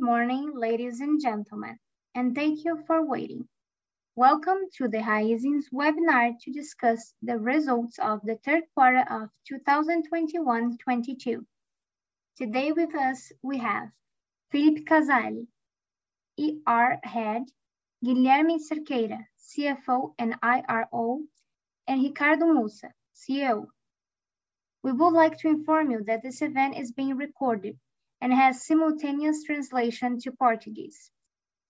Good morning, ladies and gentlemen, and thank you for waiting. Welcome to the Raízen's webinar to discuss the results of the Q3 of 2021/2022. Today with us we have Felipe Casali, IR Head; Guilherme Cerqueira, CFO and IRO; and Ricardo Mussa, CEO. We would like to inform you that this event is being recorded and has simultaneous translation to Portuguese.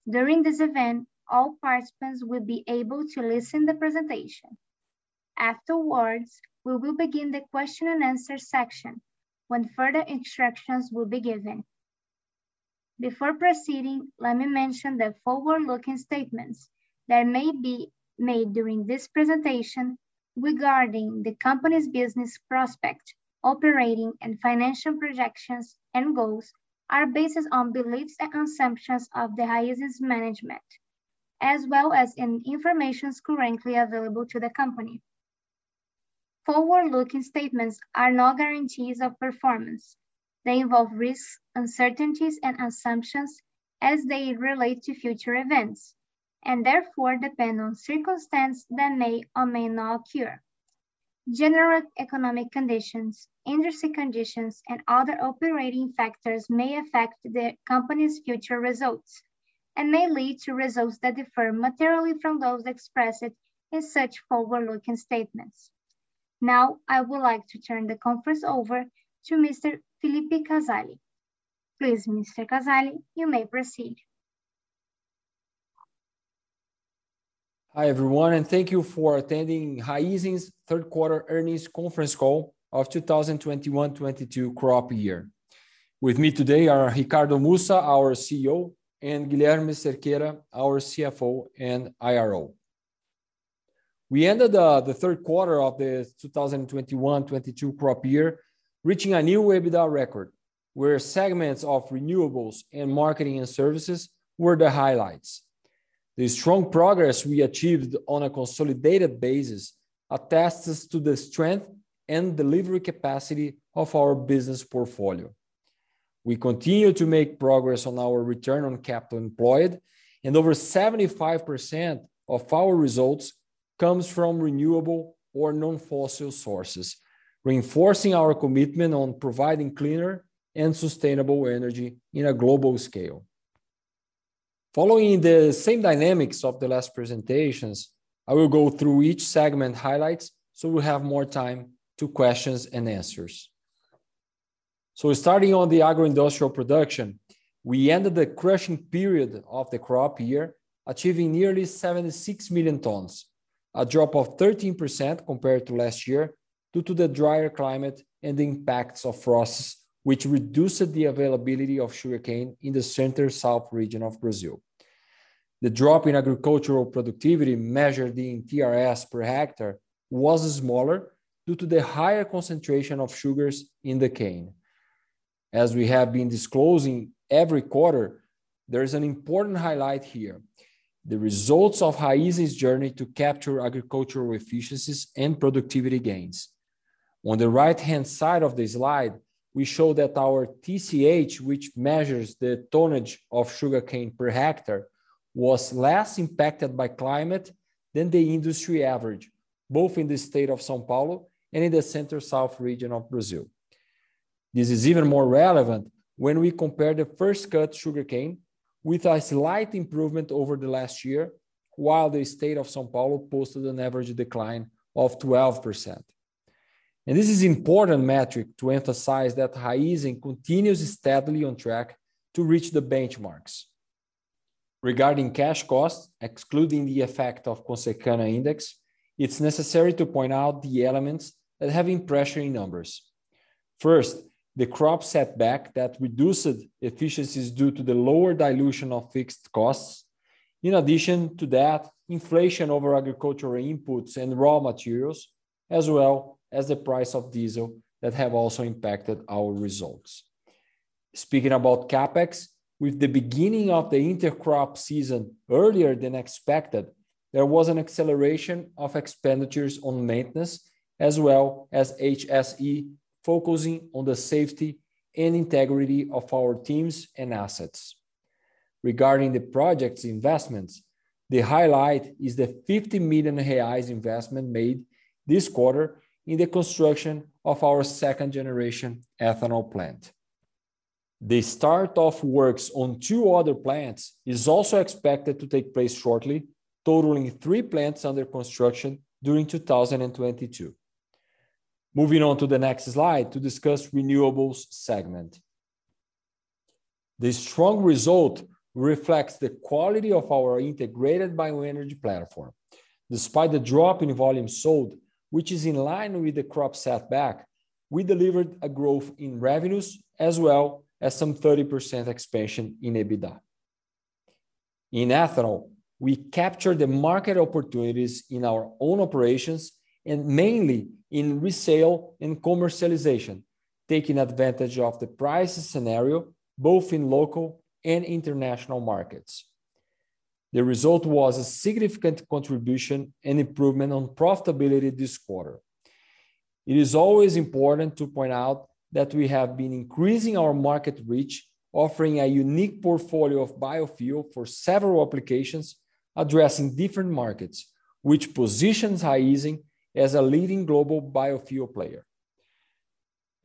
During this event, all participants will be able to listen to the presentation. Afterwards, we will begin the question and answer section when further instructions will be given. Before proceeding, let me mention that forward-looking statements that may be made during this presentation regarding the company's business prospects, operating and financial projections and goals are based on beliefs and assumptions of the Raízen's management, as well as in information currently available to the company. Forward-looking statements are no guarantees of performance. They involve risks, uncertainties and assumptions as they relate to future events, and therefore depend on circumstances that may or may not occur. General economic conditions, industry conditions, and other operating factors may affect the company's future results and may lead to results that differ materially from those expressed in such forward-looking statements. Now, I would like to turn the conference over to Mr. Felipe Casali. Please, Mr. Casali, you may proceed. Hi, everyone, and thank you for attending Raízen's Q3 earnings conference call of 2021/2022 crop year. With me today are Ricardo Mussa, our CEO, and Guilherme Cerqueira, our CFO and IRO. We ended the Q3 of the 2021/2022 crop year reaching a new EBITDA record, where segments of renewables and marketing and services were the highlights. The strong progress we achieved on a consolidated basis attests to the strength and delivery capacity of our business portfolio. We continue to make progress on our return on capital employed and over 75% of our results comes from renewable or non-fossil sources, reinforcing our commitment on providing cleaner and sustainable energy on a global scale. Following the same dynamics of the last presentations, I will go through each segment highlights, so we'll have more time for questions and answers. Starting on the agro-industrial production, we ended the crushing period of the crop year achieving nearly 76 million tons, a drop of 13% compared to last year due to the drier climate and the impacts of frosts, which reduced the availability of sugarcane in the Center-South region of Brazil. The drop in agricultural productivity measured in TRS per hectare was smaller due to the higher concentration of sugars in the cane. As we have been disclosing every quarter, there is an important highlight here, the results of Raízen's journey to capture agricultural efficiencies and productivity gains. On the right-hand side of the slide, we show that our TCH, which measures the tonnage of sugarcane per hectare, was less impacted by climate than the industry average, both in the state of São Paulo and in the Center-South region of Brazil. This is even more relevant when we compare the first cut sugarcane with a slight improvement over the last year, while the state of São Paulo posted an average decline of 12%. This is an important metric to emphasize that Raízen continues steadily on track to reach the benchmarks. Regarding cash costs, excluding the effect of Consecana index, it's necessary to point out the elements that have been pressuring numbers. First, the crop setback that reduced efficiencies due to the lower dilution of fixed costs. In addition to that, inflation over agricultural inputs and raw materials, as well as the price of diesel that have also impacted our results. Speaking about CapEx, with the beginning of the intercrop season earlier than expected, there was an acceleration of expenditures on maintenance as well as HSE, focusing on the safety and integrity of our teams and assets. Regarding the projects investments, the highlight is the 50 million investment made this quarter in the construction of our second generation ethanol plant. The start of works on 2 other plants is also expected to take place shortly, totaling 3 plants under construction during 2022. Moving on to the next slide to discuss renewables segment. The strong result reflects the quality of our integrated bioenergy platform. Despite the drop in volume sold, which is in line with the crop setback, we delivered a growth in revenues as well as some 30% expansion in EBITDA. In ethanol, we captured the market opportunities in our own operations and mainly in resale and commercialization, taking advantage of the price scenario both in local and international markets. The result was a significant contribution and improvement on profitability this quarter. It is always important to point out that we have been increasing our market reach, offering a unique portfolio of biofuel for several applications addressing different markets, which positions Raízen as a leading global biofuel player.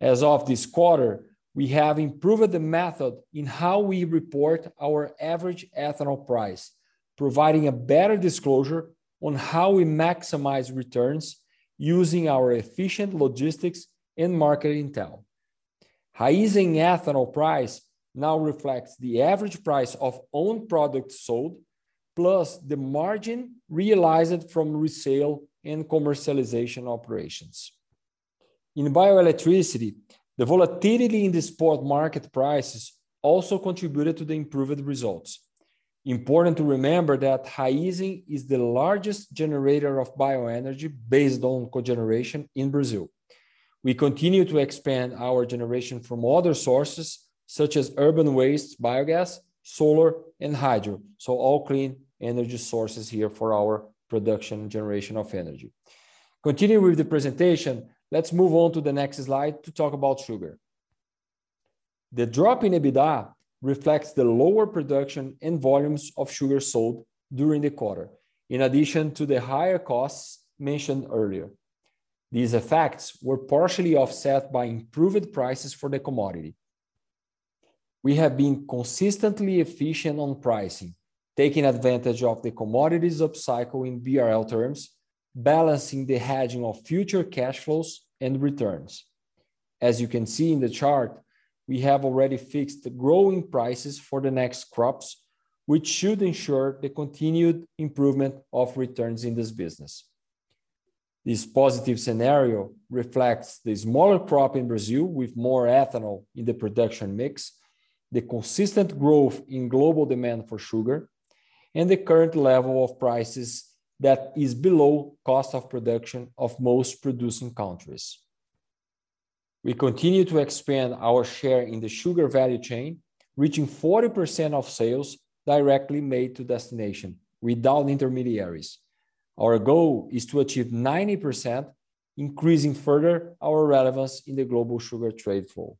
As of this quarter, we have improved the method in how we report our average ethanol price, providing a better disclosure on how we maximize returns using our efficient logistics and market intel. Raízen ethanol price now reflects the average price of own products sold, plus the margin realized from resale and commercialization operations. In bioelectricity, the volatility in the spot market prices also contributed to the improved results. Important to remember that Raízen is the largest generator of bioenergy based on cogeneration in Brazil. We continue to expand our generation from other sources such as urban waste, biogas, solar and hydro, so all clean energy sources here for our production generation of energy. Continuing with the presentation, let's move on to the next slide to talk about sugar. The drop in EBITDA reflects the lower production and volumes of sugar sold during the quarter, in addition to the higher costs mentioned earlier. These effects were partially offset by improved prices for the commodity. We have been consistently efficient on pricing, taking advantage of the commodities upcycle in BRL terms, balancing the hedging of future cash flows and returns. As you can see in the chart, we have already fixed the growing prices for the next crops, which should ensure the continued improvement of returns in this business. This positive scenario reflects the smaller crop in Brazil with more ethanol in the production mix, the consistent growth in global demand for sugar, and the current level of prices that is below cost of production of most producing countries. We continue to expand our share in the sugar value chain, reaching 40% of sales directly made to destination without intermediaries. Our goal is to achieve 90%, increasing further our relevance in the global sugar trade flow.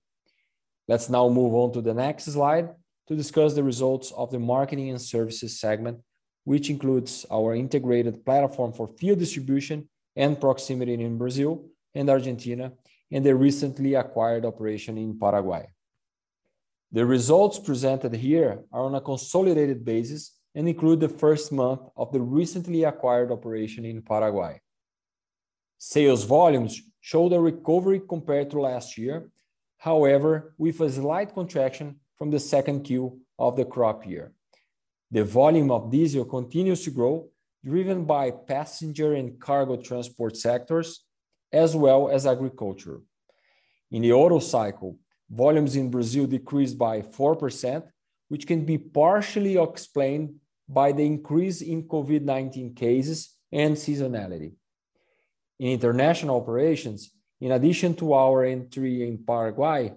Let's now move on to the next slide to discuss the results of the marketing and services segment, which includes our integrated platform for fuel distribution and proximity in Brazil and Argentina and the recently acquired operation in Paraguay. The results presented here are on a consolidated basis and include the first month of the recently acquired operation in Paraguay. Sales volumes showed a recovery compared to last year, however, with a slight contraction from the Q2 of the crop year. The volume of diesel continues to grow, driven by passenger and cargo transport sectors, as well as agriculture. In the Otto cycle, volumes in Brazil decreased by 4%, which can be partially explained by the increase in COVID-19 cases and seasonality. In international operations, in addition to our entry in Paraguay,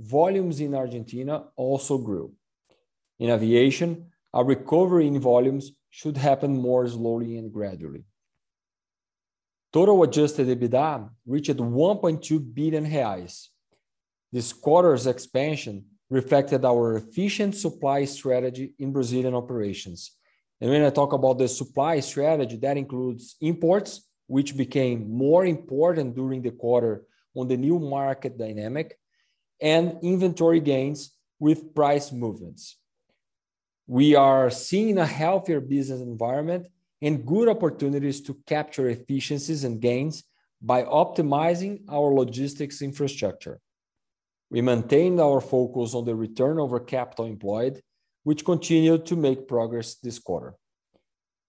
volumes in Argentina also grew. In aviation, our recovery in volumes should happen more slowly and gradually. Total adjusted EBITDA reached 1.2 billion reais. This quarter's expansion reflected our efficient supply strategy in Brazilian operations. When I talk about the supply strategy, that includes imports, which became more important during the quarter on the new market dynamic, and inventory gains with price movements. We are seeing a healthier business environment and good opportunities to capture efficiencies and gains by optimizing our logistics infrastructure. We maintained our focus on the return on capital employed, which continued to make progress this quarter.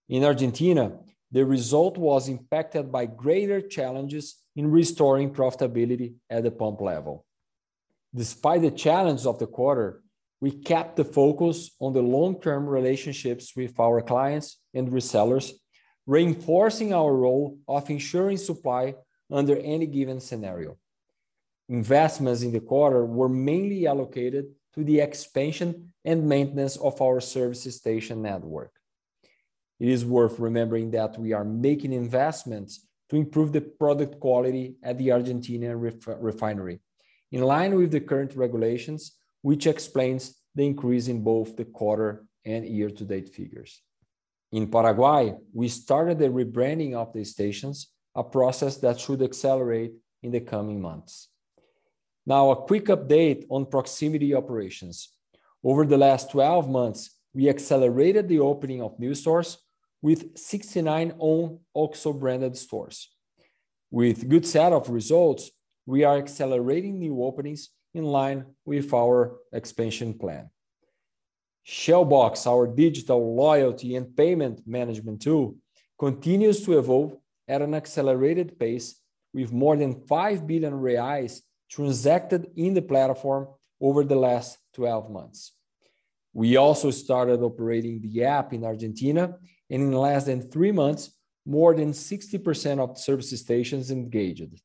In Argentina, the result was impacted by greater challenges in restoring profitability at the pump level. Despite the challenge of the quarter, we kept the focus on the long-term relationships with our clients and resellers, reinforcing our role of ensuring supply under any given scenario. Investments in the quarter were mainly allocated to the expansion and maintenance of our service station network. It is worth remembering that we are making investments to improve the product quality at the Argentine refinery in line with the current regulations, which explains the increase in both the quarter and year-to-date figures. In Paraguay, we started the rebranding of the stations, a process that should accelerate in the coming months. Now a quick update on proximity operations. Over the last 12 months, we accelerated the opening of new stores with 69 own OXXO-branded stores. With good set of results, we are accelerating new openings in line with our expansion plan. Shell Box, our digital loyalty and payment management tool, continues to evolve at an accelerated pace with more than 5 billion reais transacted in the platform over the last 12 months. We also started operating the app in Argentina, and in less than three months, more than 60% of service stations engaged.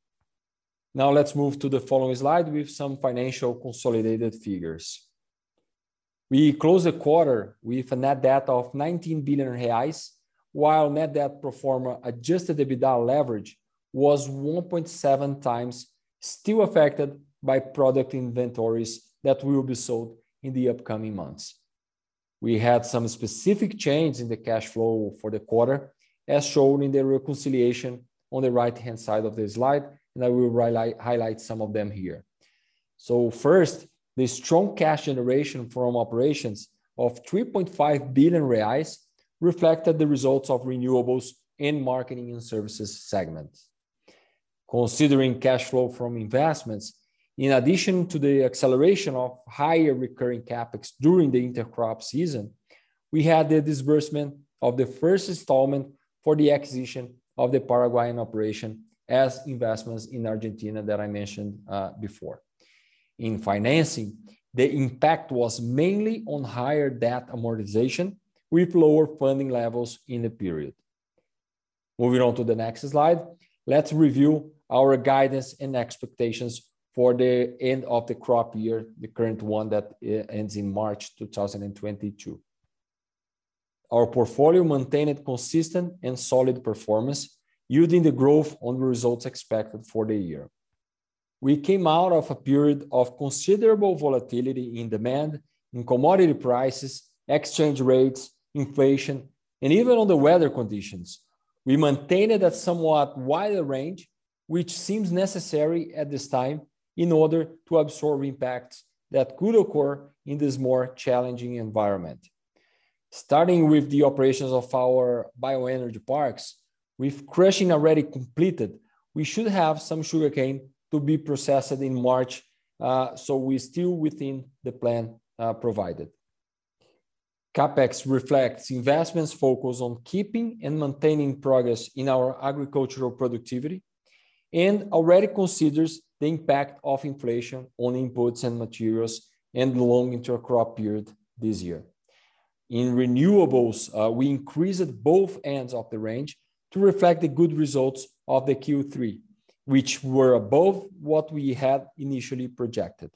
Now let's move to the following slide with some financial consolidated figures. We closed the quarter with a net debt of 19 billion reais, while net debt pro forma adjusted EBITDA leverage was 1.7 times, still affected by product inventories that will be sold in the upcoming months. We had some specific changes in the cash flow for the quarter, as shown in the reconciliation on the right-hand side of the slide, and I will highlight some of them here. First, the strong cash generation from operations of 3.5 billion reais reflected the results of Renewables, Marketing and Services segments. Considering cash flow from investments, in addition to the acceleration of higher recurring CapEx during the intercrop season, we had the disbursement of the first installment for the acquisition of the Paraguayan operation and investments in Argentina that I mentioned before. In financing, the impact was mainly on higher debt amortization with lower funding levels in the period. Moving on to the next slide, let's review our guidance and expectations for the end of the crop year, the current one that ends in March 2022. Our portfolio maintained consistent and solid performance using the growth on the results expected for the year. We came out of a period of considerable volatility in demand, in commodity prices, exchange rates, inflation, and even on the weather conditions. We maintained it at somewhat wider range, which seems necessary at this time in order to absorb impacts that could occur in this more challenging environment. Starting with the operations of our bioenergy parks, with crushing already completed, we should have some sugarcane to be processed in March, so we're still within the plan, provided. CapEx reflects investments focused on keeping and maintaining progress in our agricultural productivity and already considers the impact of inflation on inputs and materials and along intercrop period this year. In renewables, we increased both ends of the range to reflect the good results of the Q3, which were above what we had initially projected.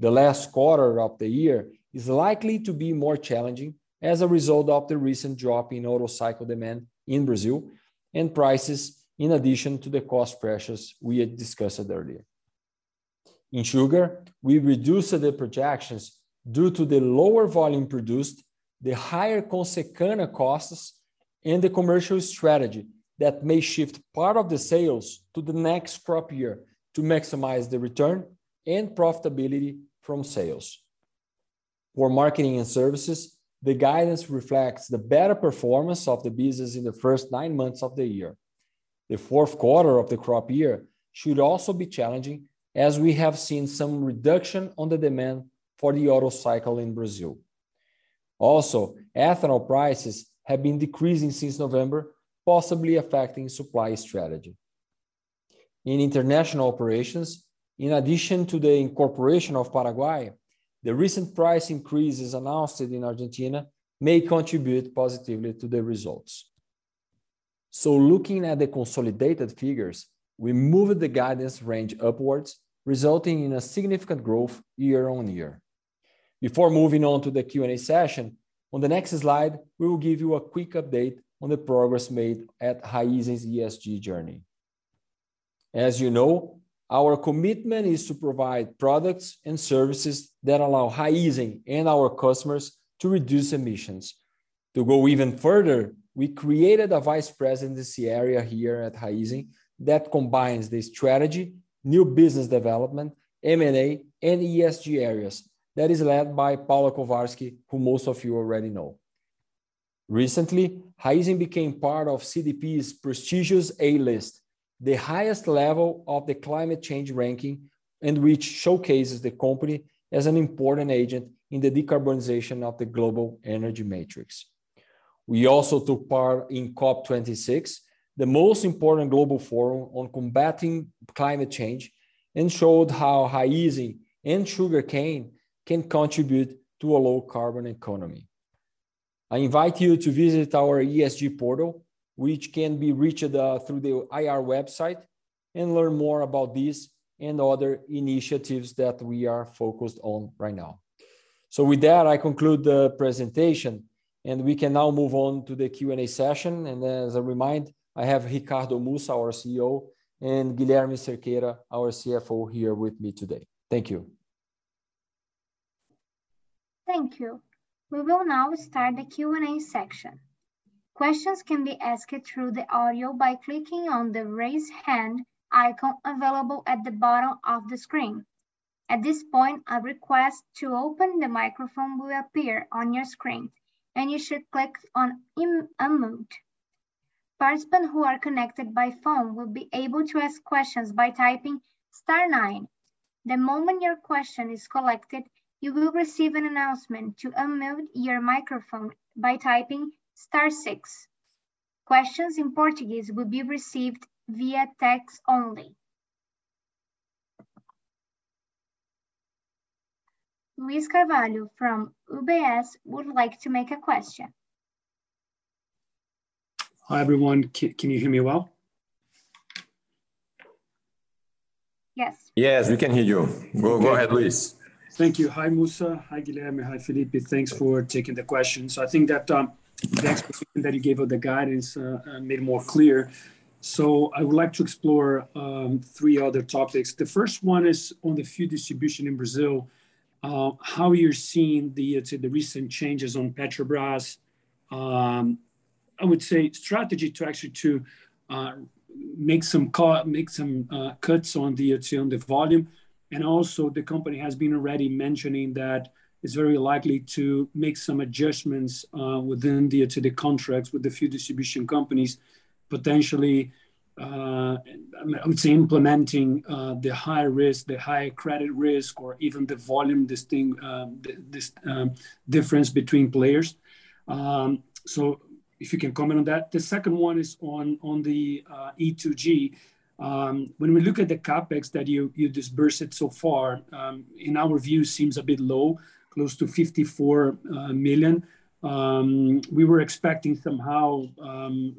The last quarter of the year is likely to be more challenging as a result of the recent drop in Otto cycle demand in Brazil and prices in addition to the cost pressures we had discussed earlier. In sugar, we reduced the projections due to the lower volume produced, the higher Consecana costs, and the commercial strategy that may shift part of the sales to the next crop year to maximize the return and profitability from sales. For marketing and services, the guidance reflects the better performance of the business in the first nine months of the year. The Q4 of the crop year should also be challenging, as we have seen some reduction on the demand for the auto cycle in Brazil. Also, ethanol prices have been decreasing since November, possibly affecting supply strategy. In international operations, in addition to the incorporation of Paraguay, the recent price increases announced in Argentina may contribute positively to the results. Looking at the consolidated figures, we moved the guidance range upwards, resulting in a significant growth year-on-year. Before moving on to the Q&A session, on the next slide, we will give you a quick update on the progress made at Raízen's ESG journey. As you know, our commitment is to provide products and services that allow Raízen and our customers to reduce emissions. To go even further, we created a vice presidency area here at Raízen that combines the strategy, new business development, M&A, and ESG areas. That is led by Paula Kovarsky, who most of you already know. Recently, Raízen became part of CDP's prestigious A List, the highest level of the climate change ranking, and which showcases the company as an important agent in the decarbonization of the global energy matrix. We also took part in COP26, the most important global forum on combating climate change, and showed how Raízen and sugarcane can contribute to a low carbon economy. I invite you to visit our ESG portal, which can be reached through the IR website, and learn more about this and other initiatives that we are focused on right now. With that, I conclude the presentation, and we can now move on to the Q&A session. As a reminder, I have Ricardo Mussa, our CEO, and Guilherme Cerqueira, our CFO, here with me today. Thank you. Thank you. We will now start the Q&A section. Questions can be asked through the audio by clicking on the Raise Hand icon available at the bottom of the screen. At this point, a request to open the microphone will appear on your screen, and you should click on unmute. Participants who are connected by phone will be able to ask questions by typing star nine. The moment your question is collected, you will receive an announcement to unmute your microphone by typing star six. Questions in Portuguese will be received via text only. Luiz Carvalho from UBS would like to make a question. Hi, everyone. Can you hear me well? Yes, we can hear you. Go ahead, Luiz. Thank you. Hi, Mussa. Hi, Guilherme. Hi, Felipe. Thanks for taking the questions. I think that the expectation that you gave of the guidance made it more clear. I would like to explore three other topics. The first one is on the fuel distribution in Brazil, how you're seeing the recent changes on Petrobras. I would say strategy to actually make some cuts on the volume. The company has been already mentioning that it's very likely to make some adjustments within the contracts with the fuel distribution companies, potentially, I would say implementing the high credit risk, or even the volume difference between players. If you can comment on that. The second one is on the E2G. When we look at the CapEx that you disbursed so far, in our view seems a bit low, close to 54 million. We were expecting somehow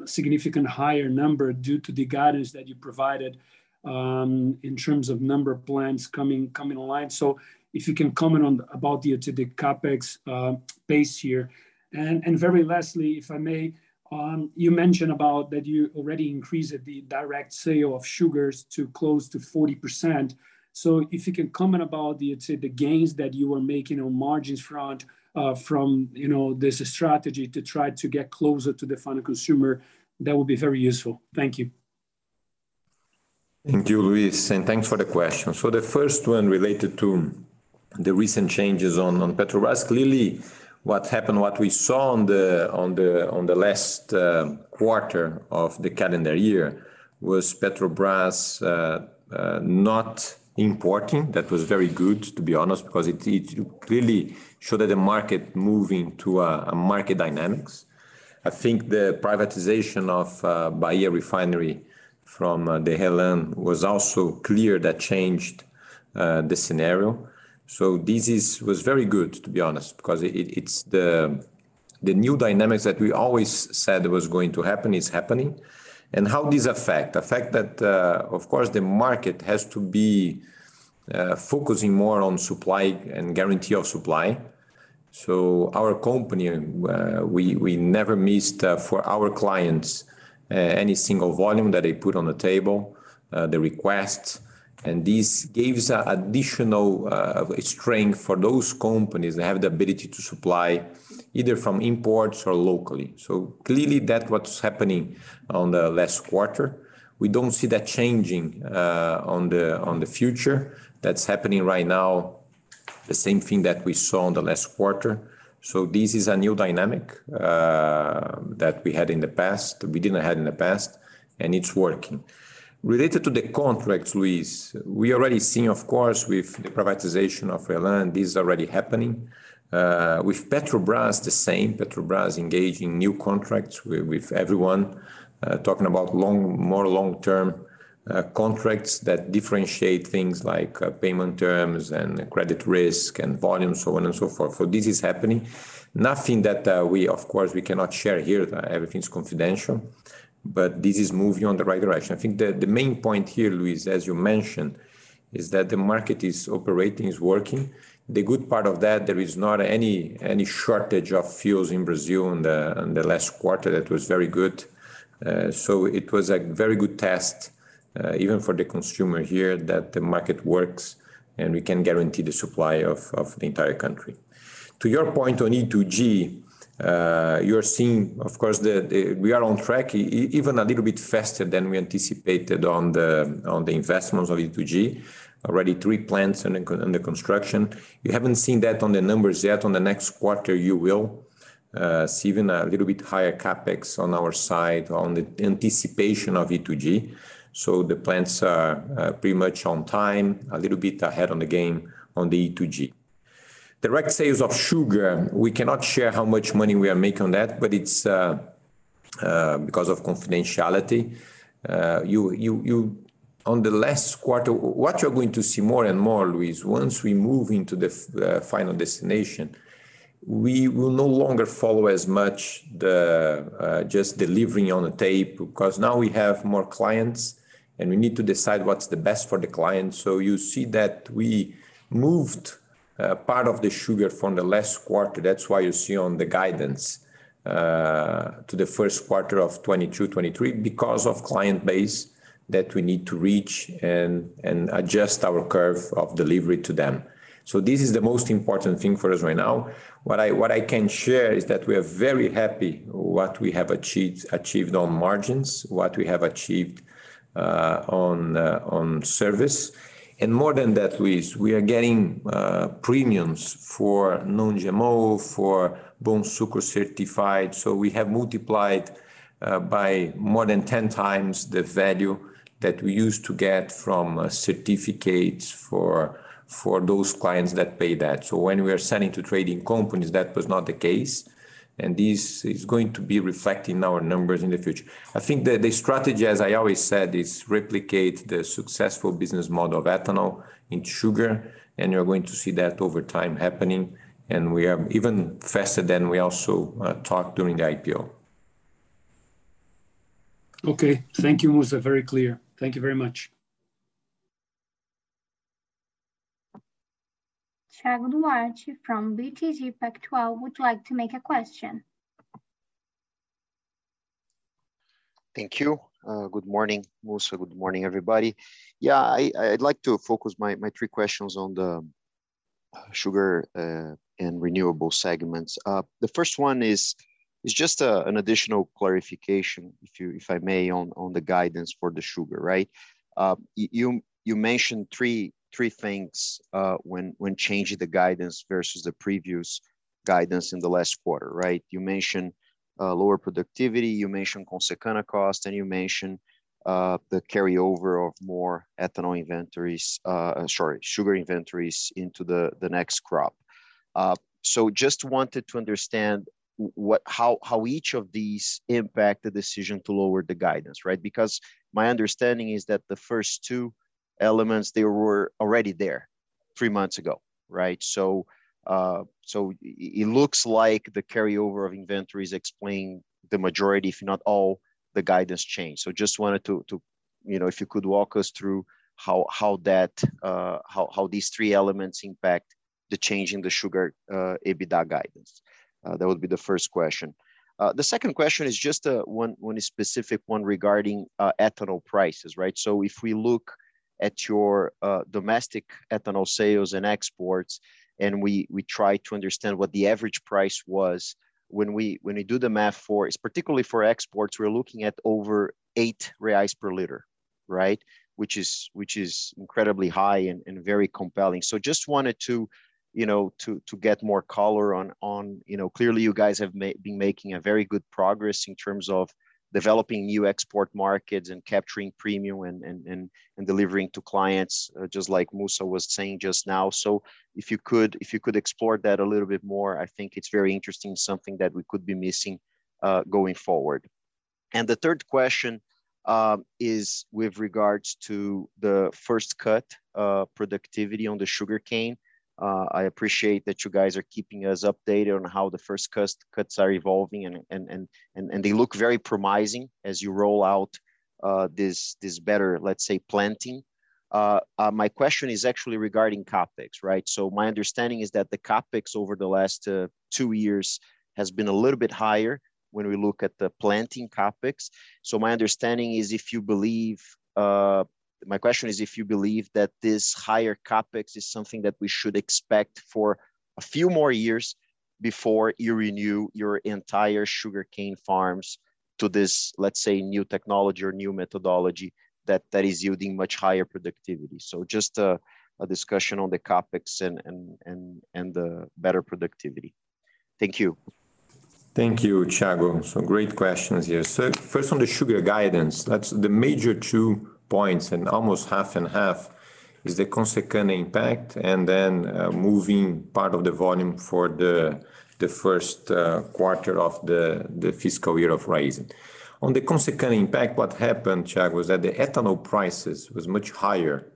significant higher number due to the guidance that you provided, in terms of number of plants coming online. If you can comment about the CapEx base here. Very lastly, if I may, you mentioned about that you already increased the direct sale of sugars to close to 40%. If you can comment about the, let's say, the gains that you are making on margins front, from you know this strategy to try to get closer to the final consumer, that would be very useful. Thank you. Thank you, Luiz, and thanks for the question. The first one related to the recent changes on Petrobras, clearly what happened, what we saw on the last quarter of the calendar year was Petrobras not importing. That was very good, to be honest, because it clearly showed that the market moving to a market dynamics. I think the privatization of Landulpho Alves Refinery from the RLAM was also clear that changed the scenario. This was very good, to be honest, because it's the new dynamics that we always said was going to happen is happening. How this affect that, of course, the market has to be focusing more on supply and guarantee of supply. Our company, we never missed for our clients any single volume that they put on the table, the request. This gives additional strength for those companies that have the ability to supply either from imports or locally. Clearly, that's what's happening in the last quarter. We don't see that changing in the future. That's happening right now, the same thing that we saw in the last quarter. This is a new dynamic that we didn't have in the past, and it's working. Related to the contracts, Luiz, we already seen, of course, with the privatization of RLAM, this is already happening. With Petrobras, the same. Petrobras engaging new contracts with everyone, talking about long-term contracts that differentiate things like payment terms and credit risk and volume, so on and so forth. This is happening. Nothing that we of course cannot share here. Everything's confidential, but this is moving in the right direction. I think the main point here, Luiz, as you mentioned, is that the market is operating, is working. The good part of that, there is not any shortage of fuels in Brazil in the last quarter. That was very good. It was a very good test even for the consumer here that the market works and we can guarantee the supply of the entire country. To your point on E2G, you're seeing, of course, we are on track even a little bit faster than we anticipated on the investments of E2G. Already three plants under construction. You haven't seen that on the numbers yet. On the next quarter you will see even a little bit higher CapEx on our side in anticipation of E2G. The plants are pretty much on time, a little bit ahead of the game on the E2G. Direct sales of sugar, we cannot share how much money we are making on that, but it's because of confidentiality. On the last quarter. What you're going to see more and more, Luiz, once we move into the final destination, we will no longer follow as much the just delivering on the tape, because now we have more clients, and we need to decide what's the best for the client. You see that we moved part of the sugar from the last quarter, that's why you see on the guidance to the Q1 of 2022, 2023, because of client base that we need to reach and adjust our curve of delivery to them. This is the most important thing for us right now. What I can share is that we are very happy what we have achieved on margins, what we have achieved on service. More than that, Luiz, we are getting premiums for non-GMO, for Bonsucro certified. So we have multiplied by more than ten times the value that we used to get from certificates for those clients that pay that. So when we are selling to trading companies, that was not the case, and this is going to be reflecting our numbers in the future. I think the strategy, as I always said, is replicate the successful business model of ethanol in sugar, and you're going to see that over time happening, and we are even faster than we also talked during the IPO. Okay. Thank you, Mussa. Very clear. Thank you very much. Thiago Duarte from BTG Pactual would like to make a question. Thank you. Good morning, Mussa. Good morning, everybody. I'd like to focus my three questions on the sugar and renewable segments. The first one is just an additional clarification if I may on the guidance for the sugar, right? You mentioned three things when changing the guidance versus the previous guidance in the last quarter, right? You mentioned lower productivity, you mentioned Consecana cost, and you mentioned the carryover of more sugar inventories into the next crop. So just wanted to understand how each of these impact the decision to lower the guidance, right? Because my understanding is that the first two elements they were already there three months ago, right? It looks like the carryover of inventories explain the majority, if not all the guidance change. Just wanted to if you could walk us through how these three elements impact the change in the sugar EBITDA guidance. That would be the first question. The second question is one specific one regarding ethanol prices, right? If we look at your domestic ethanol sales and exports, and we try to understand what the average price was when we do the math for it, particularly for exports, we're looking at over 8 reais per liter, right? Which is incredibly high and very compelling. Just wanted to get more color on. You know, clearly you guys have been making a very good progress in terms of developing new export markets and capturing premium and delivering to clients, just like Mussa was saying just now. If you could explore that a little bit more, I think it's very interesting, something that we could be missing, going forward. The third question is with regards to the first cut productivity on the sugarcane. I appreciate that you guys are keeping us updated on how the first cuts are evolving and they look very promising as you roll out this better, let's say, planting. My question is actually regarding CapEx, right? My understanding is that the CapEx over the last two years has been a little bit higher when we look at the planting CapEx. My question is, if you believe that this higher CapEx is something that we should expect for a few more years before you renew your entire sugarcane farms to this, let's say, new technology or new methodology that is yielding much higher productivity. Just a discussion on the CapEx and the better productivity. Thank you. Thank you, Tiago. Some great questions here. First on the sugar guidance, that's the major two points, and almost half and half is the Consecana impact and then moving part of the volume for the Q1 of the fiscal year of Raízen. On the Consecana impact, what happened, Tiago, is that the ethanol prices was much higher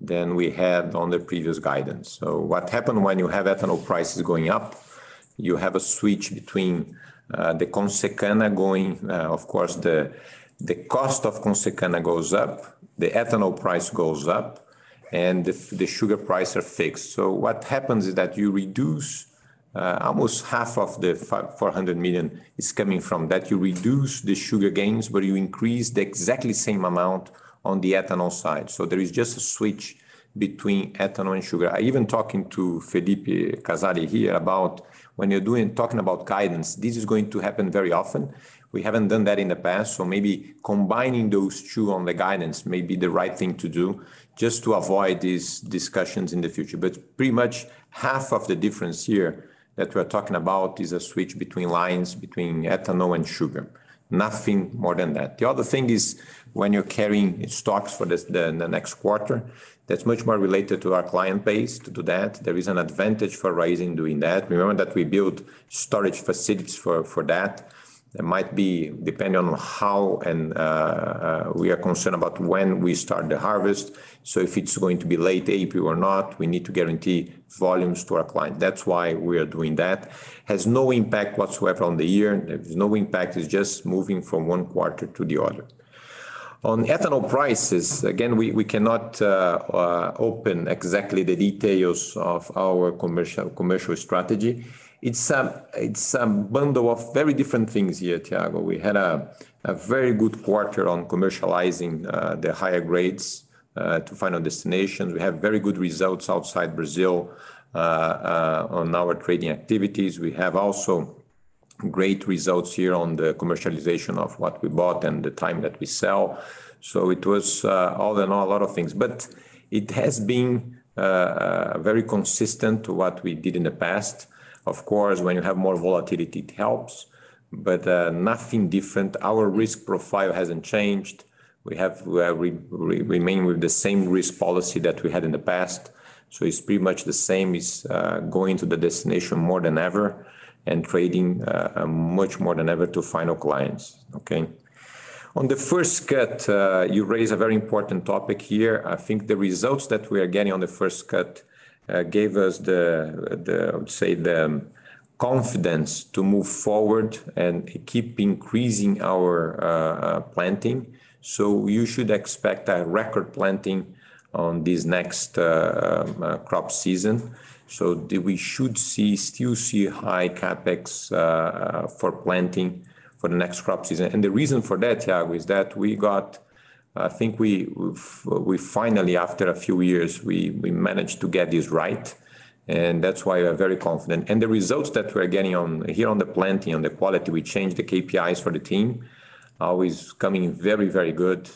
than we had on the previous guidance. What happen when you have ethanol prices going up, you have a switch between the Consecana. Of course, the cost of Consecana goes up, the ethanol price goes up, and the sugar price are fixed. What happens is that you reduce almost half of the 400 million is coming from that. You reduce the sugar gains, but you increase the exactly same amount on the ethanol side. There is just a switch between ethanol and sugar. I even talking to Felipe Casali here about when you're talking about guidance, this is going to happen very often. We haven't done that in the past, so maybe combining those two on the guidance may be the right thing to do just to avoid these discussions in the future. Pretty much half of the difference here that we're talking about is a switch between lines, between ethanol and sugar. Nothing more than that. The other thing is when you're carrying stocks for the next quarter, that's much more related to our client base to do that. There is an advantage for Raízen doing that. Remember that we build storage facilities for that. There might be, depending on how and we are concerned about when we start the harvest. If it's going to be late AP or not, we need to guarantee volumes to our client. That's why we are doing that. It has no impact whatsoever on the year. There's no impact. It's just moving from one quarter to the other. On ethanol prices, again, we cannot open exactly the details of our commercial strategy. It's a bundle of very different things here, Tiago. We had a very good quarter on commercializing the higher grades to final destinations. We have very good results outside Brazil on our trading activities. We have also great results here on the commercialization of what we bought and the things that we sell. It was all in all, a lot of things. It has been very consistent to what we did in the past. Of course, when you have more volatility, it helps, but nothing different. Our risk profile hasn't changed. We remain with the same risk policy that we had in the past, so it's pretty much the same as going to the destination more than ever and trading much more than ever to final clients. Okay. On the first cut, you raise a very important topic here. I think the results that we are getting on the first cut gave us the confidence to move forward and keep increasing our planting. You should expect a record planting on this next crop season. We should still see high CapEx for planting for the next crop season. The reason for that, Thiago, is that I think we finally, after a few years, we managed to get this right, and that's why we are very confident. The results that we are getting here on the planting, on the quality, we changed the KPIs for the team, are always coming very, very good.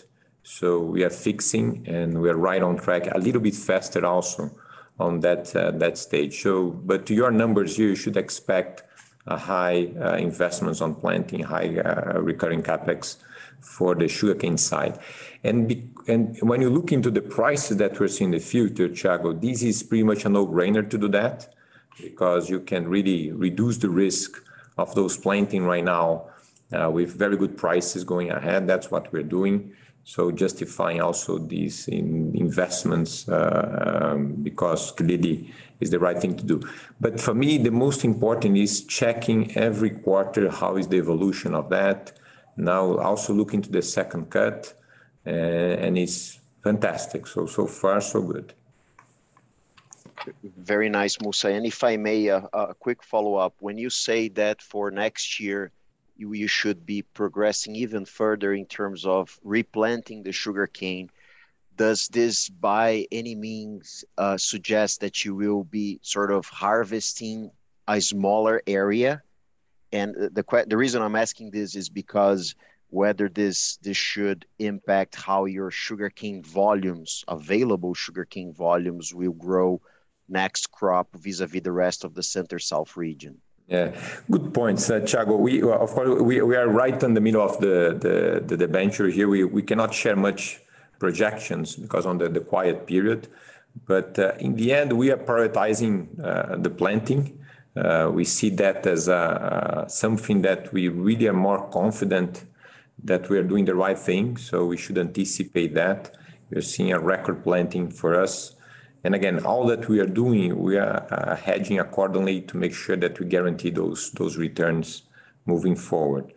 We are fixing and we are right on track a little bit faster also on that stage. To your numbers, you should expect high investments on planting, high recurring CapEx for the sugarcane side. When you look into the prices that we see in the future, Thiago, this is pretty much a no-brainer to do that because you can really reduce the risk of those planting right now with very good prices going ahead. That's what we're doing. Justifying also these investments, because really is the right thing to do. For me, the most important is checking every quarter how is the evolution of that. Now also look into the second cut, and it's fantastic. So far so good. Very nice, Mussa. If I may, a quick follow-up. When you say that for next year you should be progressing even further in terms of replanting the sugarcane, does this by any means suggest that you will be sort of harvesting a smaller area? The reason I'm asking this is because whether this should impact how your sugarcane volumes, available sugarcane volumes will grow next crop vis-à-vis the rest of the center-south region. Yeah. Good point, Thiago. We, of course, we are right in the middle of the debenture here. We cannot share much projections because we are under the quiet period. In the end, we are prioritizing the planting. We see that as something that we really are more confident that we are doing the right thing, so we should anticipate that. We're seeing a record planting for us. Again, all that we are doing, we are hedging accordingly to make sure that we guarantee those returns moving forward.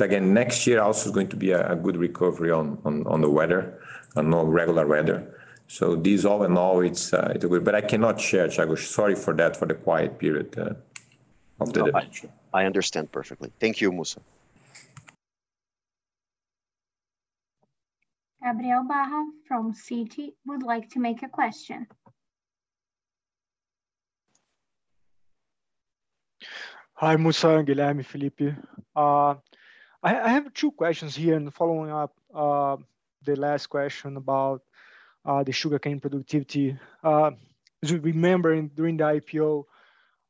Again, next year also is going to be a good recovery on the weather, a more regular weather. This all in all, it will. I cannot share, Thiago. Sorry for that, for the quiet period of the debenture. I understand perfectly. Thank you, Mussa. Gabriel Barra from Citi would like to ask a question. Hi, Mussa, Guilherme, Felipe. I have two questions here following up the last question about the sugarcane productivity. As we remember, during the IPO,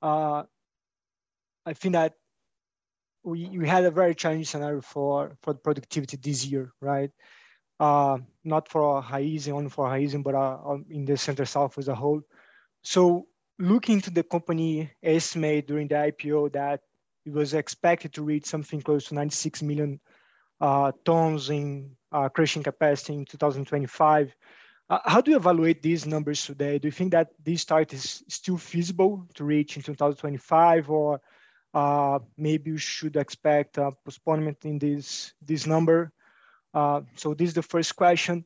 I think that we had a very challenging scenario for the productivity this year, right? Not only for Raízen, but in the center-south as a whole. Looking to the company estimate during the IPO that it was expected to reach something close to 96 million tons in crushing capacity in 2025, how do you evaluate these numbers today? Do you think that this target is still feasible to reach in 2025 or maybe you should expect a postponement in this number? This is the first question.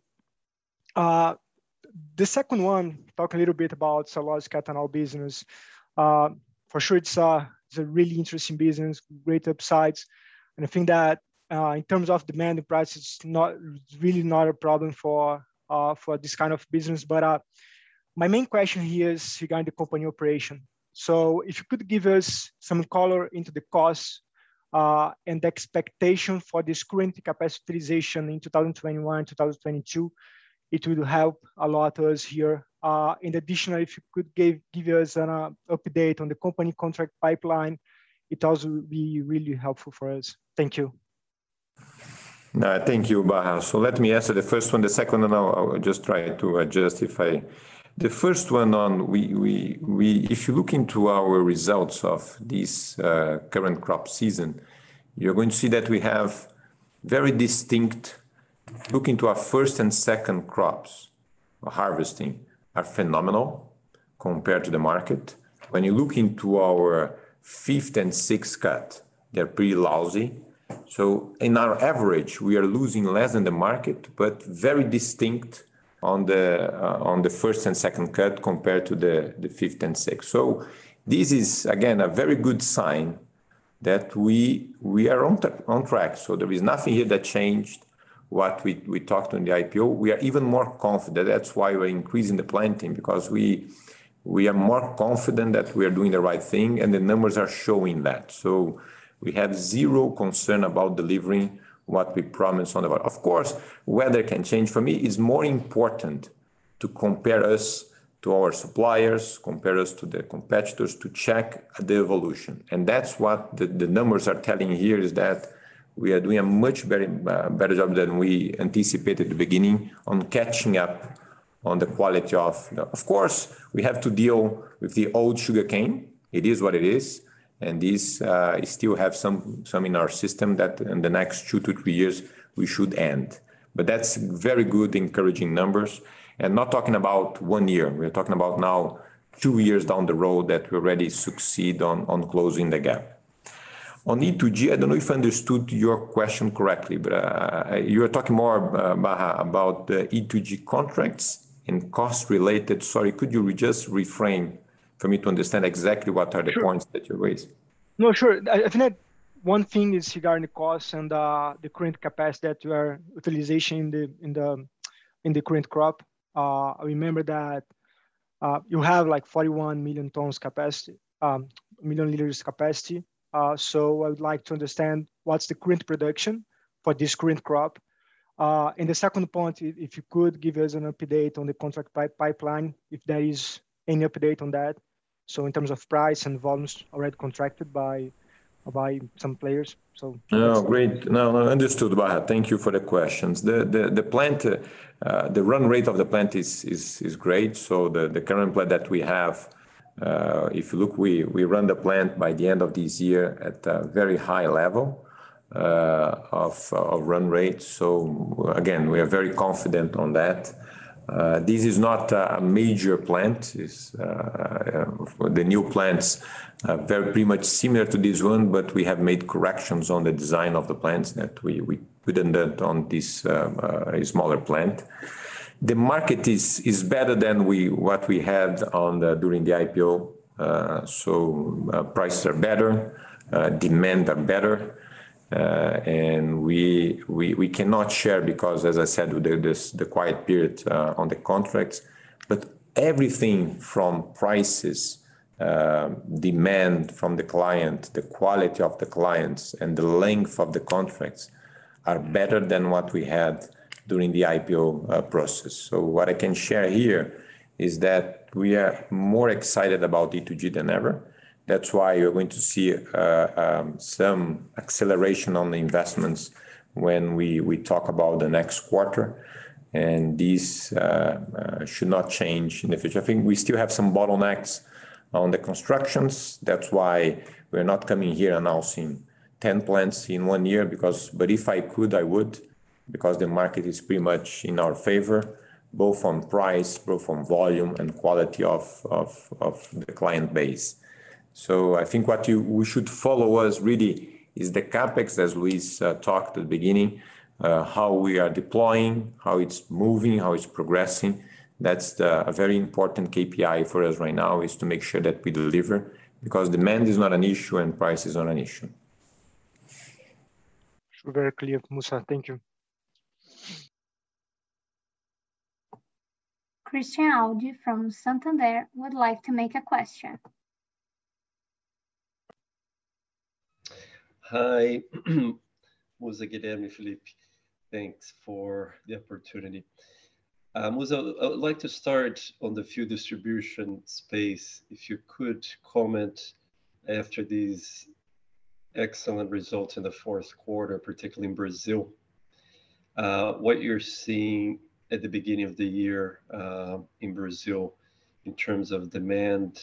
The second one, talk a little bit about Cellulosic Ethanol business. For sure it's a really interesting business, great upsides. I think that in terms of demand and price, it's really not a problem for this kind of business. My main question here is regarding the company operation. If you could give us some color into the costs and expectation for this current capacity utilization in 2021, 2022, it will help a lot to us here. In addition, if you could give us an update on the company contract pipeline, it also would be really helpful for us. Thank you. Thank you, Barra. The first one. If you look into our results of this current crop season, you're going to see that we have very distinct. Look into our first and second crops harvesting are phenomenal compared to the market. When you look into our fifth and sixth cut, they're pretty lousy. In our average, we are losing less in the market, but very distinct on the first and second cut compared to the fifth and sixth. This is again a very good sign that we are on track. There is nothing here that changed what we talked on the IPO. We are even more confident. That's why we're increasing the planting because we are more confident that we are doing the right thing, and the numbers are showing that. We have zero concern about delivering what we promised on the. Of course, weather can change. For me, it's more important to compare us to our suppliers, compare us to the competitors to check the evolution. That's what the numbers are telling here, is that we are doing a much very better job than we anticipated at the beginning on catching up on the quality of. Of course, we have to deal with the old sugarcane. It is what it is. This it still have some in our system that in the next two to three years we should end. That's very good encouraging numbers. Not talking about one year, we are talking about now two years down the road that we already succeed on closing the gap. On E2G, I don't know if I understood your question correctly, but you're talking more, Barra, about the E2G contracts and cost related? Sorry, could you reframe for me to understand exactly what are the points- Sure... that you raised? No, sure. I think that one thing is regarding the cost and the current capacity utilization in the current crop. I remember that you have like 41 million tons capacity, million liters capacity. I would like to understand what's the current production for this current crop. The second point, if you could give us an update on the contract pipeline, if there is any update on that, so in terms of price and volumes already contracted by some players. Please. Oh, great. No, understood, Gabriel Barra. Thank you for the questions. The plant, the run rate of the plant is great, so the current plant that we have, if you look, we run the plant by the end of this year at a very high level of run rate. Again, we are very confident on that. This is not a major plant. It's for the new plants, very pretty much similar to this one, but we have made corrections on the design of the plants that we put in that on this smaller plant. The market is better than what we had during the IPO. Prices are better, demand are better. We cannot share because, as I said, with the quiet period on the contracts. But everything from prices, demand from the client, the quality of the clients, and the length of the contracts are better than what we had during the IPO process. What I can share here is that we are more excited about E2G than ever. That's why you're going to see some acceleration on the investments when we talk about the next quarter. This should not change in the future. I think we still have some bottlenecks on the constructions. That's why we're not coming here announcing 10 plants in one year, because. If I could, I would, because the market is pretty much in our favor, both on price, both on volume and quality of the client base. I think what we should follow is really the CapEx, as Luiz talked at the beginning, how we are deploying, how it's moving, how it's progressing. That's a very important KPI for us right now to make sure that we deliver, because demand is not an issue and price is not an issue. Super clear, Mussa. Thank you. Christian Audi from Santander would like to ask a question. Hi. Ricardo Mussa and Felipe, thanks for the opportunity. Musa, I would like to start on the fuel distribution space. If you could comment after these excellent results in the Q4, particularly in Brazil, what you're seeing at the beginning of the year, in Brazil in terms of demand,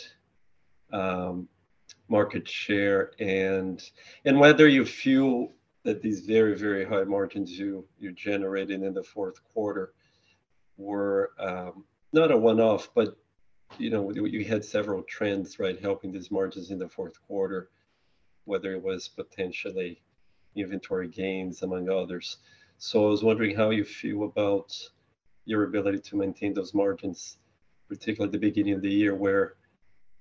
market share, and whether you feel that these very, very high margins you're generating in the Q4 were not a one-off, but you know, you had several trends, right, helping these margins in the Q4, whether it was potentially inventory gains, among others. I was wondering how you feel about your ability to maintain those margins, particularly at the beginning of the year where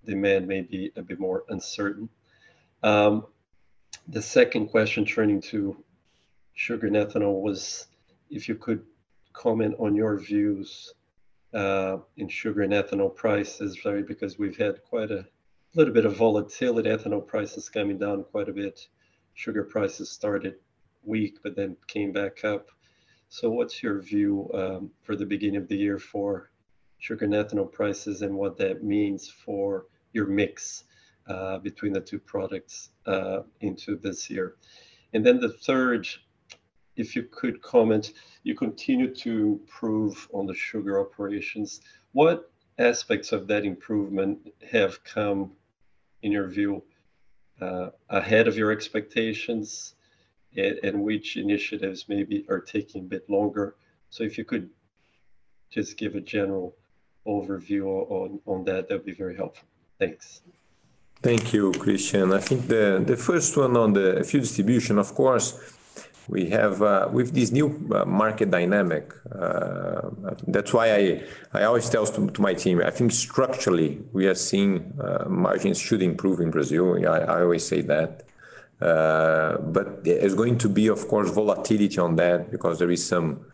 demand may be a bit more uncertain. The second question, turning to sugar and ethanol, was if you could comment on your views in sugar and ethanol prices, right. Because we've had quite a little bit of volatility at ethanol prices coming down quite a bit. Sugar prices started weak but then came back up. What's your view for the beginning of the year for sugar and ethanol prices and what that means for your mix between the two products into this year? And then the third, if you could comment, you continue to improve on the sugar operations. What aspects of that improvement have come, in your view, ahead of your expectations, and which initiatives maybe are taking a bit longer? If you could just give a general overview on that would be very helpful. Thanks. Thank you, Christian. I think the first one on the fuel distribution, of course, we have with this new market dynamic, that's why I always tell to my team, I think structurally we are seeing margins should improve in Brazil. I always say that. There is going to be, of course, volatility on that because there is some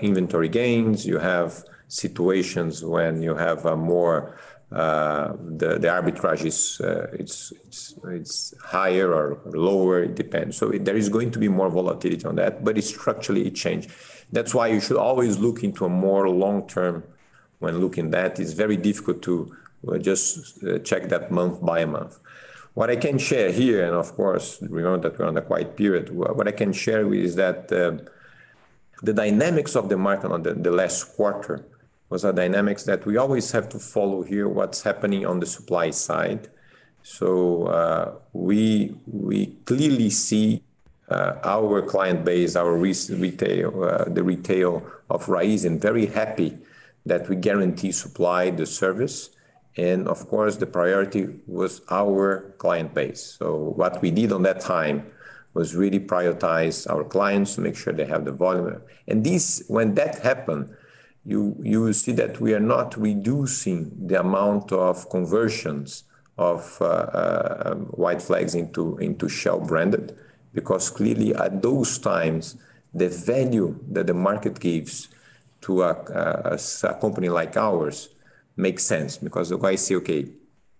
inventory gains. You have situations when you have more. The arbitrage is, it's higher or lower, it depends. There is going to be more volatility on that. It structurally change. That's why you should always look into a more long term when looking that. It's very difficult to just check that month-by-month. What I can share here, and of course we know that we're on a quiet period. What I can share is that the dynamics of the market on the last quarter was a dynamics that we always have to follow here what's happening on the supply side. We clearly see our client base, our retail, the retail of Raízen very happy that we guarantee supply the service. Of course, the priority was our client base. What we did on that time was really prioritize our clients to make sure they have the volume. This, when that happened, you will see that we are not reducing the amount of conversions of white flags into Shell branded. Clearly at those times, the value that the market gives to a company like ours makes sense because if I say, okay,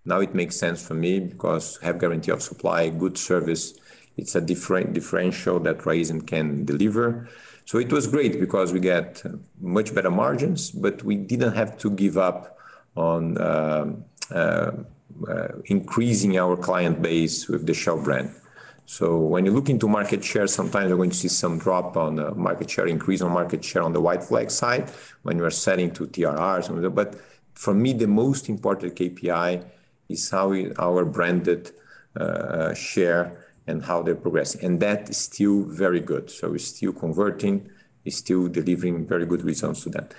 now it makes sense for me because I have guarantee of supply, good service. It's a differential that Raízen can deliver. It was great because we get much better margins, but we didn't have to give up on increasing our client base with the Shell brand. When you look into market share, sometimes you're going to see some drop in the market share, increase in market share on the White Flag side when you are selling to TRRs. For me, the most important KPI is how our branded share and how they're progressing, and that is still very good. We're still converting, we're still delivering very good results to that.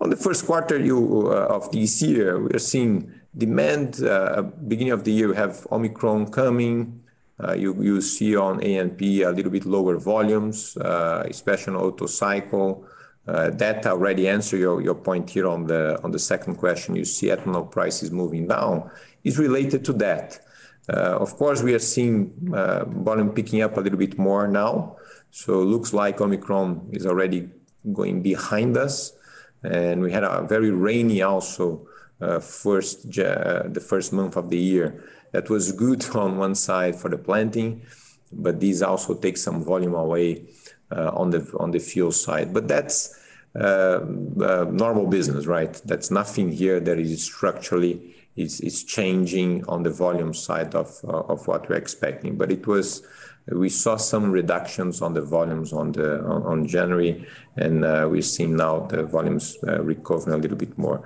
On the Q1 of this year, we are seeing demand. Beginning of the year we have Omicron coming. You see on ANP a little bit lower volumes, especially on Otto cycle. That already answer your point here on the second question. Of course, we are seeing volume picking up a little bit more now, so looks like Omicron is already going behind us. We had a very rainy also the first month of the year. That was good on one side for the planting, but this also takes some volume away on the fuel side. That's normal business, right? That's nothing here that is structurally changing on the volume side of what we're expecting. We saw some reductions on the volumes on January, and we're seeing now the volumes recovering a little bit more.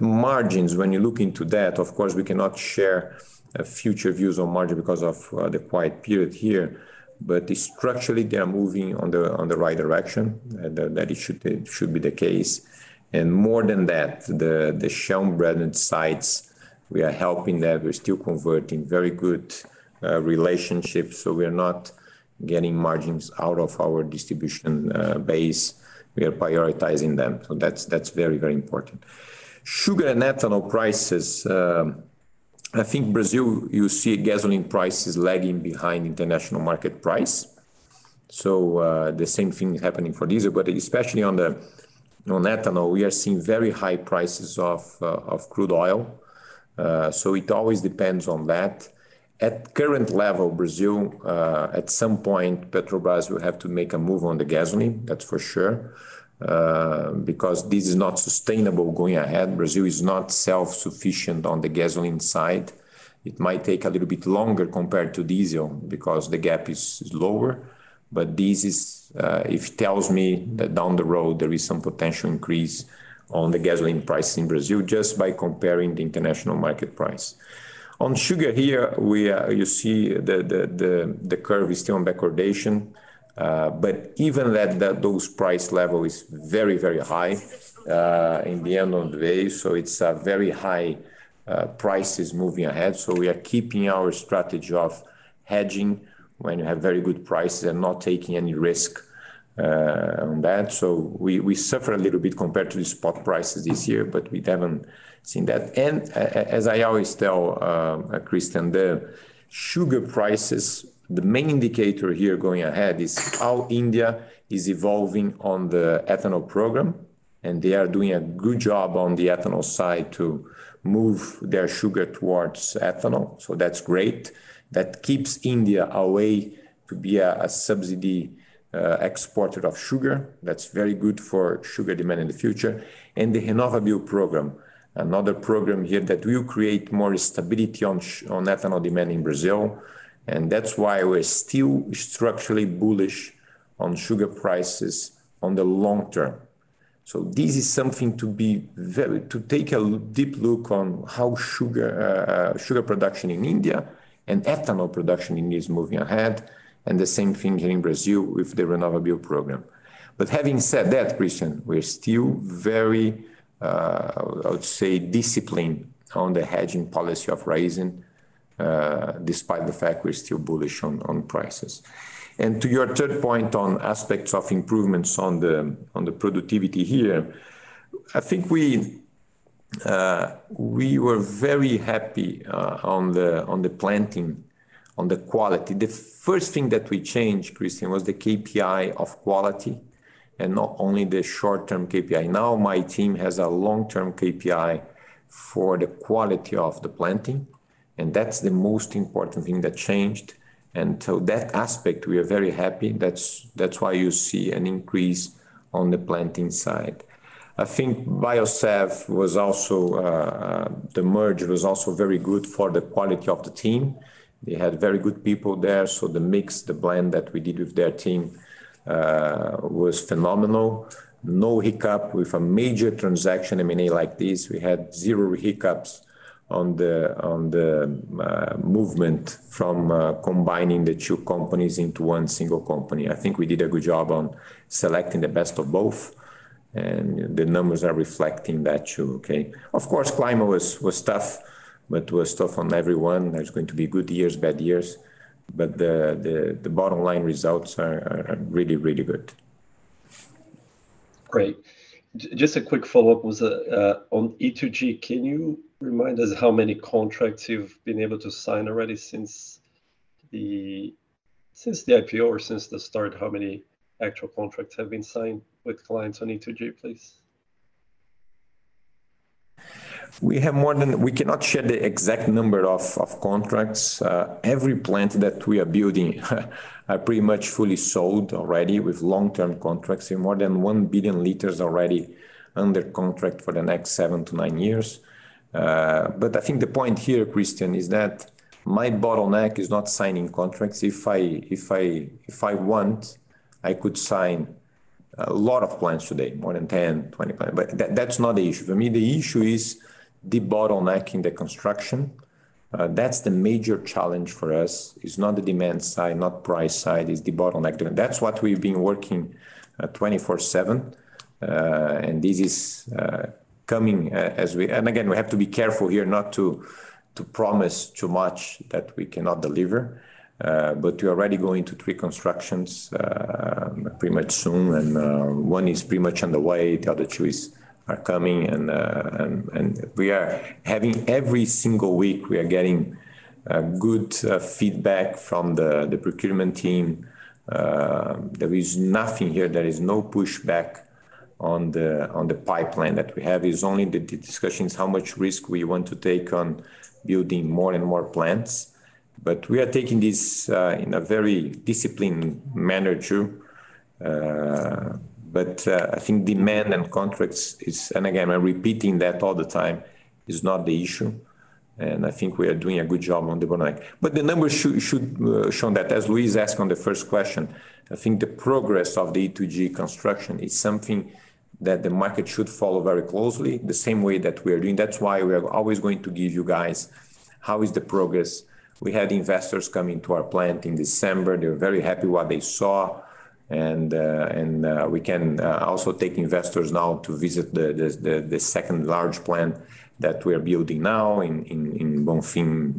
Margins, when you look into that, of course, we cannot share future views on margin because of the quiet period here. Structurally, they are moving on the right direction. That it should be the case. More than that, the Shell branded sites, we are helping that. We're still converting very good relationships, so we are not getting margins out of our distribution base. We are prioritizing them. That's very important. Sugar and ethanol prices, I think Brazil, you see gasoline prices lagging behind international market price. The same thing happening for diesel, but especially on ethanol, we are seeing very high prices of crude oil. It always depends on that. At current level, Brazil, at some point, Petrobras will have to make a move on the gasoline, that's for sure. Because this is not sustainable going ahead. Brazil is not self-sufficient on the gasoline side. It might take a little bit longer compared to diesel because the gap is lower. It tells me that down the road, there is some potential increase on the gasoline price in Brazil just by comparing the international market price. On sugar here, you see the curve is still on degradation. Even that those price level is very high in the end of the day, so it's very high prices moving ahead. We are keeping our strategy of hedging when you have very good prices and not taking any risk on that. We suffer a little bit compared to the spot prices this year, but we haven't seen that. As I always tell Christian Audi, the sugar prices, the main indicator here going ahead is how India is evolving on the ethanol program, and they are doing a good job on the ethanol side to move their sugar towards ethanol, so that's great. That keeps India away to be a subsidized exporter of sugar. That's very good for sugar demand in the future. The RenovaBio program, another program here that will create more stability on on ethanol demand in Brazil. That's why we're still structurally bullish on sugar prices on the long term. This is something to be very to take a deep look on how sugar production in India and ethanol production in India is moving ahead, and the same thing here in Brazil with the RenovaBio program. Having said that, Christian, we're still very I would say disciplined on the hedging policy of Raízen, despite the fact we're still bullish on prices. To your third point on aspects of improvements on the productivity here, I think we were very happy on the planting, on the quality. The first thing that we changed, Christian, was the KPI of quality, and not only the short-term KPI. Now my team has a long-term KPI for the quality of the planting, and that's the most important thing that changed. That aspect, we are very happy. That's why you see an increase on the planting side. I think the merger was also very good for the quality of the team. They had very good people there, so the mix, the blend that we did with their team, was phenomenal. No hiccup with a major transaction, I mean, like this, we had zero hiccups on the movement from combining the two companies into one single company. I think we did a good job on selecting the best of both, and the numbers are reflecting that too. Okay? Of course, climate was tough, but it was tough on everyone. There's going to be good years, bad years, but the bottom line results are really good. Great. Just a quick follow-up on E2G. Can you remind us how many contracts you've been able to sign already since the IPO or since the start, how many actual contracts have been signed with clients on E2G, please? We cannot share the exact number of contracts. Every plant that we are building are pretty much fully sold already with long-term contracts. We have more than 1 billion liters already under contract for the next 7-9 years. I think the point here, Christian, is that my bottleneck is not signing contracts. If I want, I could sign a lot of plants today, more than 10, 25, but that's not the issue. For me, the issue is the bottleneck in the construction. That's the major challenge for us. It's not the demand side, not price side, it's the bottleneck. That's what we've been working 24/7. Again, we have to be careful here not to promise too much that we cannot deliver. We're already going to three constructions pretty much soon, and one is pretty much on the way, the other two are coming and we are having every single week we are getting good feedback from the procurement team. There is nothing here, there is no pushback on the pipeline that we have. It's only the discussions how much risk we want to take on building more and more plants. We are taking this in a very disciplined manner too. I think demand and contracts, and again I'm repeating that all the time, is not the issue, and I think we are doing a good job on the bottleneck. The numbers should show that. As Luiz asked on the first question, I think the progress of the E2G construction is something that the market should follow very closely, the same way that we are doing. That's why we are always going to give you guys how is the progress. We had investors coming to our plant in December. They were very happy with what they saw. We can also take investors now to visit the second large plant that we are building now in Bonfim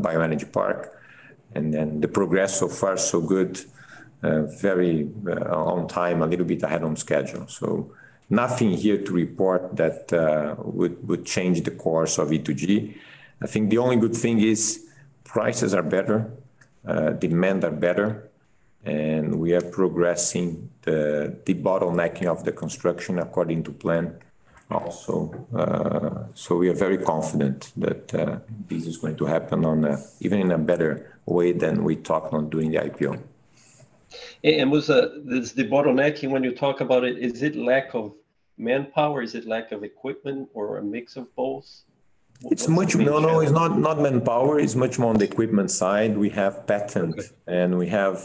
Bioenergy Park. Then the progress so far so good. Very on time, a little bit ahead on schedule. So nothing here to report that would change the course of E2G. I think the only good thing is prices are better, demand are better, and we are progressing the bottlenecking of the construction according to plan also. We are very confident that this is going to happen on a even in a better way than we talked on during the IPO. Mussa, this, the bottlenecking, when you talk about it, is it lack of manpower? Is it lack of equipment or a mix of both? It's much more on the equipment side. We have patent and we have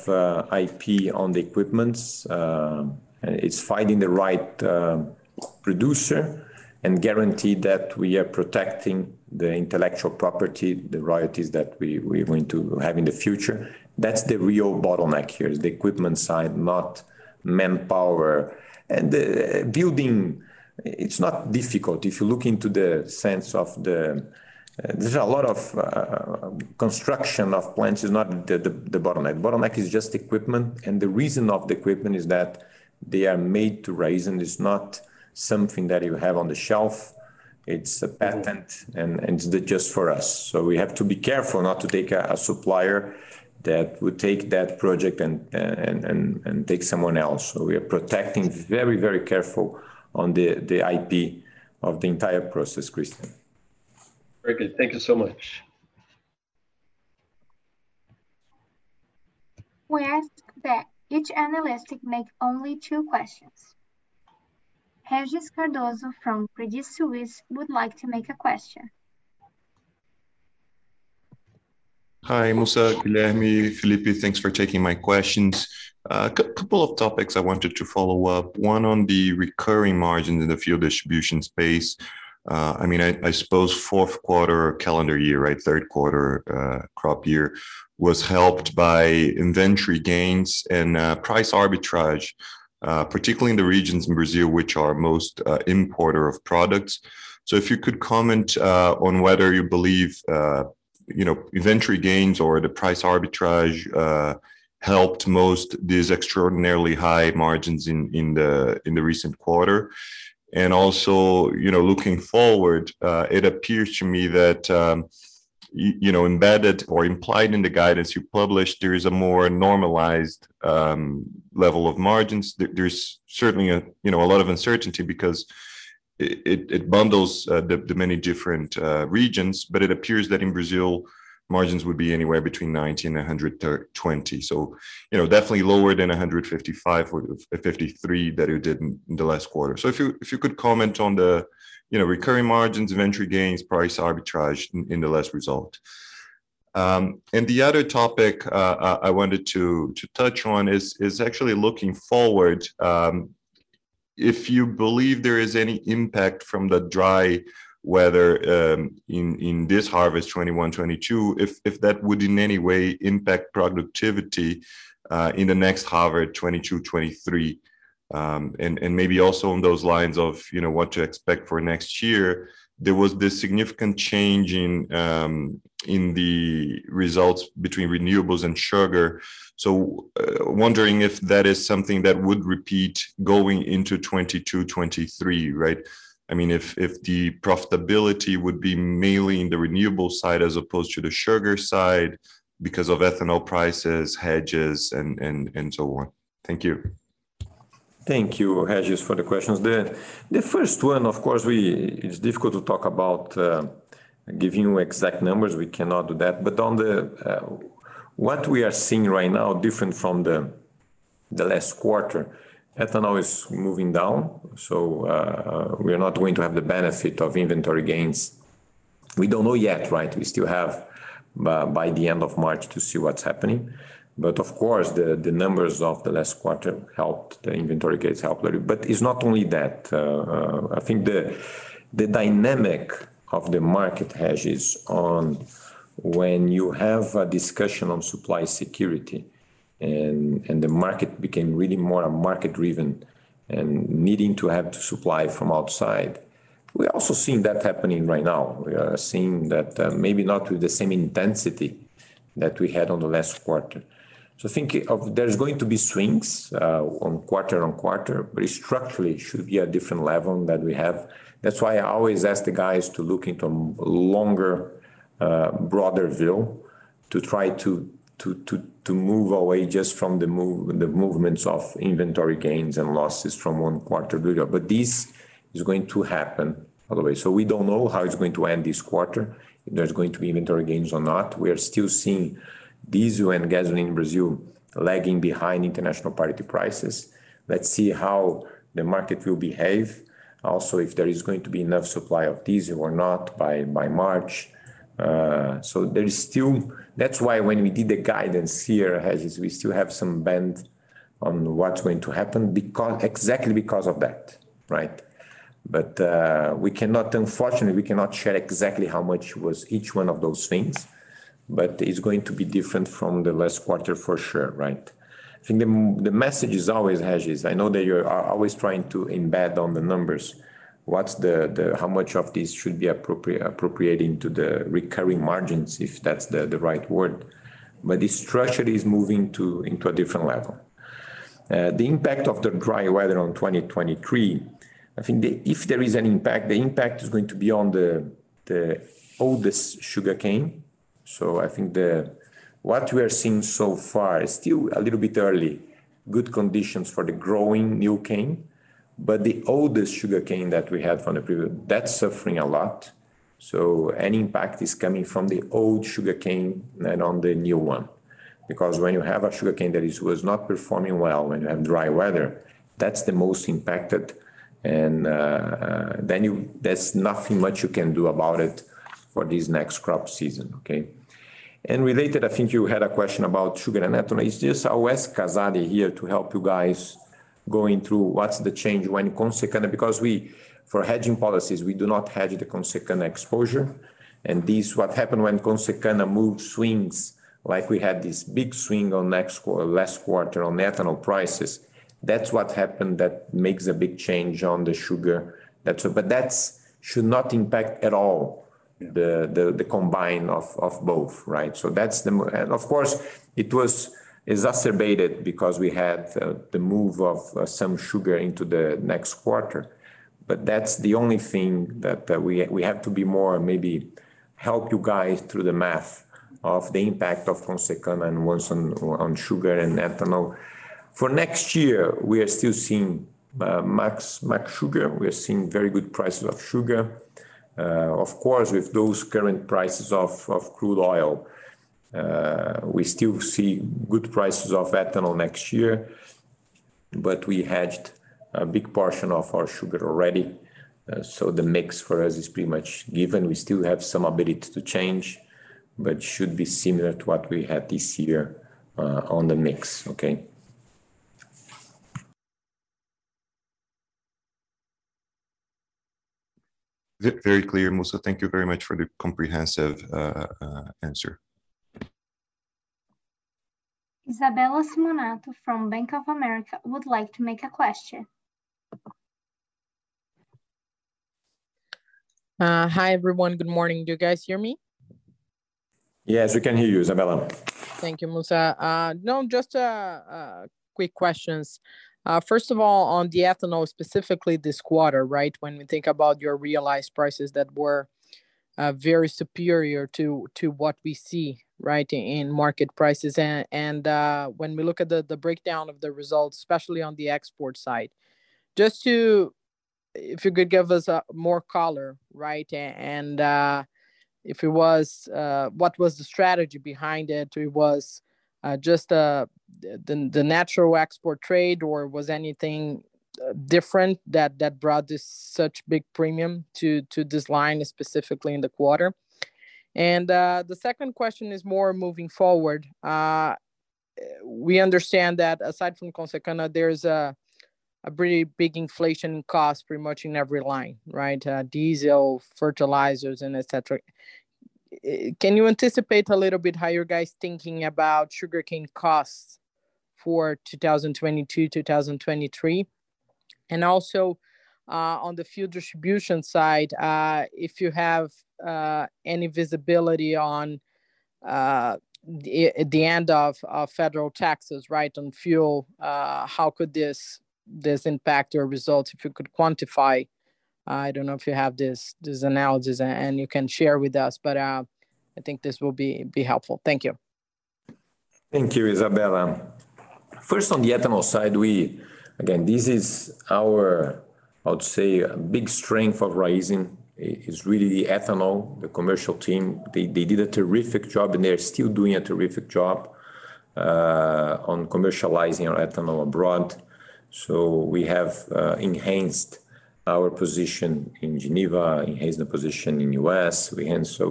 IP on the equipment. It's finding the right producer and guarantee that we are protecting the intellectual property, the royalties that we're going to have in the future. That's the real bottleneck here, is the equipment side, not manpower. The building, it's not difficult. If you look into the sense of the, there's a lot of construction of plants is not the bottleneck. Bottleneck is just equipment, and the reason of the equipment is that they are made to Raízen. It's not something that you have on the shelf. It's a patent. Mm-hmm It's just for us. We have to be careful not to take a supplier that would take that project and take someone else. We are protecting very careful on the IP of the entire process, Christian. Very good. Thank you so much. We ask that each analyst make only two questions. Régis Cardoso from Credit Suisse would like to make a question. Hi, Mussa, Guilherme, Felipe. Thanks for taking my questions. Couple of topics I wanted to follow up, one on the recurring margin in the fuel distribution space. I mean, I suppose Q4 calendar year, right, Q3, crop year was helped by inventory gains and, price arbitrage, particularly in the regions in Brazil which are most importer of products. If you could comment on whether you believe inventory gains or the price arbitrage helped most these extraordinarily high margins in the recent quarter. also looking forward, it appears to me that embedded or implied in the guidance you published, there is a more normalized level of margins. There's certainly you know a lot of uncertainty because it bundles the many different regions, but it appears that in Brazil, margins would be anywhere between 90-120. You know, definitely lower than 155 or 53 that you did in the last quarter. If you could comment on the you know recurring margins, inventory gains, price arbitrage in the last result. The other topic I wanted to touch on is actually looking forward, if you believe there is any impact from the dry weather in this harvest 2021/22, if that would in any way impact productivity in the next harvest 2022/23. Maybe also on those lines of what to expect for next year. There was this significant change in the results between renewables and sugar. Wondering if that is something that would repeat going into 2022, 2023, right? I mean, if the profitability would be mainly in the renewable side as opposed to the sugar side because of ethanol prices, hedges and so on. Thank you. Thank you, Régis, for the questions. The first one, of course, it's difficult to talk about giving you exact numbers. We cannot do that. On what we are seeing right now different from the last quarter, ethanol is moving down, so we are not going to have the benefit of inventory gains. We don't know yet, right? We still have by the end of March to see what's happening. Of course, the numbers of the last quarter helped, the inventory gains helped a little. It's not only that. I think the dynamic of the market hedges on when you have a discussion on supply security and the market became really more a market-driven and needing to have to supply from outside. We're also seeing that happening right now. We are seeing that, maybe not with the same intensity that we had on the last quarter. Think of there's going to be swings, on quarter-on-quarter, but structurally it should be a different level that we have. That's why I always ask the guys to look into longer, broader view to try to move away just from the movements of inventory gains and losses from one quarter to the other. This is going to happen all the way. We don't know how it's going to end this quarter, if there's going to be inventory gains or not. We are still seeing diesel and gasoline in Brazil lagging behind international parity prices. Let's see how the market will behave. Also, if there is going to be enough supply of diesel or not by March. There is still. That's why when we did the guidance here, as is, we still have some bend on what's going to happen exactly because of that, right? Unfortunately, we cannot share exactly how much was each one of those things, but it's going to be different from the last quarter for sure, right? I think the message is always hedges. I know that you are always trying to embed in the numbers what's how much of this should be appropriating to the recurring margins, if that's the right word. The structure is moving into a different level. The impact of the dry weather on 2023, I think. If there is an impact, the impact is going to be on the oldest sugarcane. I think the What we are seeing so far is still a little bit early. Good conditions for the growing new cane, but the oldest sugarcane that we had from the previous, that's suffering a lot. Any impact is coming from the old sugarcane than on the new one. Because when you have a sugarcane that was not performing well when you have dry weather, that's the most impacted. There's nothing much you can do about it for this next crop season. Okay? Related, I think you had a question about sugar and ethanol. It's just, I'll ask Casali here to help you guys going through what's the change when Consecana. Because we, for hedging policies, we do not hedge the Consecana exposure. This is what happens when Consecana moves, swings, like we had this big swing on last quarter on ethanol prices. That's what happened that makes a big change on the sugar. That should not impact at all the mix of both, right? Of course, it was exacerbated because we had the move of some sugar into the next quarter. That's the only thing that we have to be more maybe help you guys through the math of the impact of Consecana and what's on sugar and ethanol. For next year, we are still seeing max sugar. We are seeing very good prices of sugar. Of course, with those current prices of crude oil, we still see good prices of ethanol next year, but we hedged a big portion of our sugar already. The mix for us is pretty much given. We still have some ability to change, but should be similar to what we had this year, on the mix. Okay. Very clear, Mussa. Thank you very much for the comprehensive answer. Isabella Simonato from Bank of America would like to make a question. Hi, everyone. Good morning. Do you guys hear me? Yes, we can hear you, Isabella. Thank you, Mussa. Now just quick questions. First of all, on the ethanol, specifically this quarter, right? When we think about your realized prices that were very superior to what we see, right, in market prices and when we look at the breakdown of the results, especially on the export side. If you could give us more color, right? And if it was, what was the strategy behind it? It was just the natural export trade, or was anything different that brought such a big premium to this line specifically in the quarter? The second question is more moving forward. We understand that aside from Consecana, there's a pretty big inflation cost pretty much in every line, right? Diesel, fertilizers and et cetera. Can you anticipate a little bit how you guys thinking about sugarcane costs for 2022, 2023? And also, on the fuel distribution side, if you have any visibility on the end of federal taxes, right? On fuel. How could this impact your results, if you could quantify. I don't know if you have these analyses and you can share with us, but I think this will be helpful. Thank you. Thank you, Isabella. First, on the ethanol side, we, again, this is our, I would say, big strength of Raízen is really the ethanol, the commercial team. They did a terrific job, and they are still doing a terrific job on commercializing our ethanol abroad. So we have enhanced our position in Geneva and the position in U.S.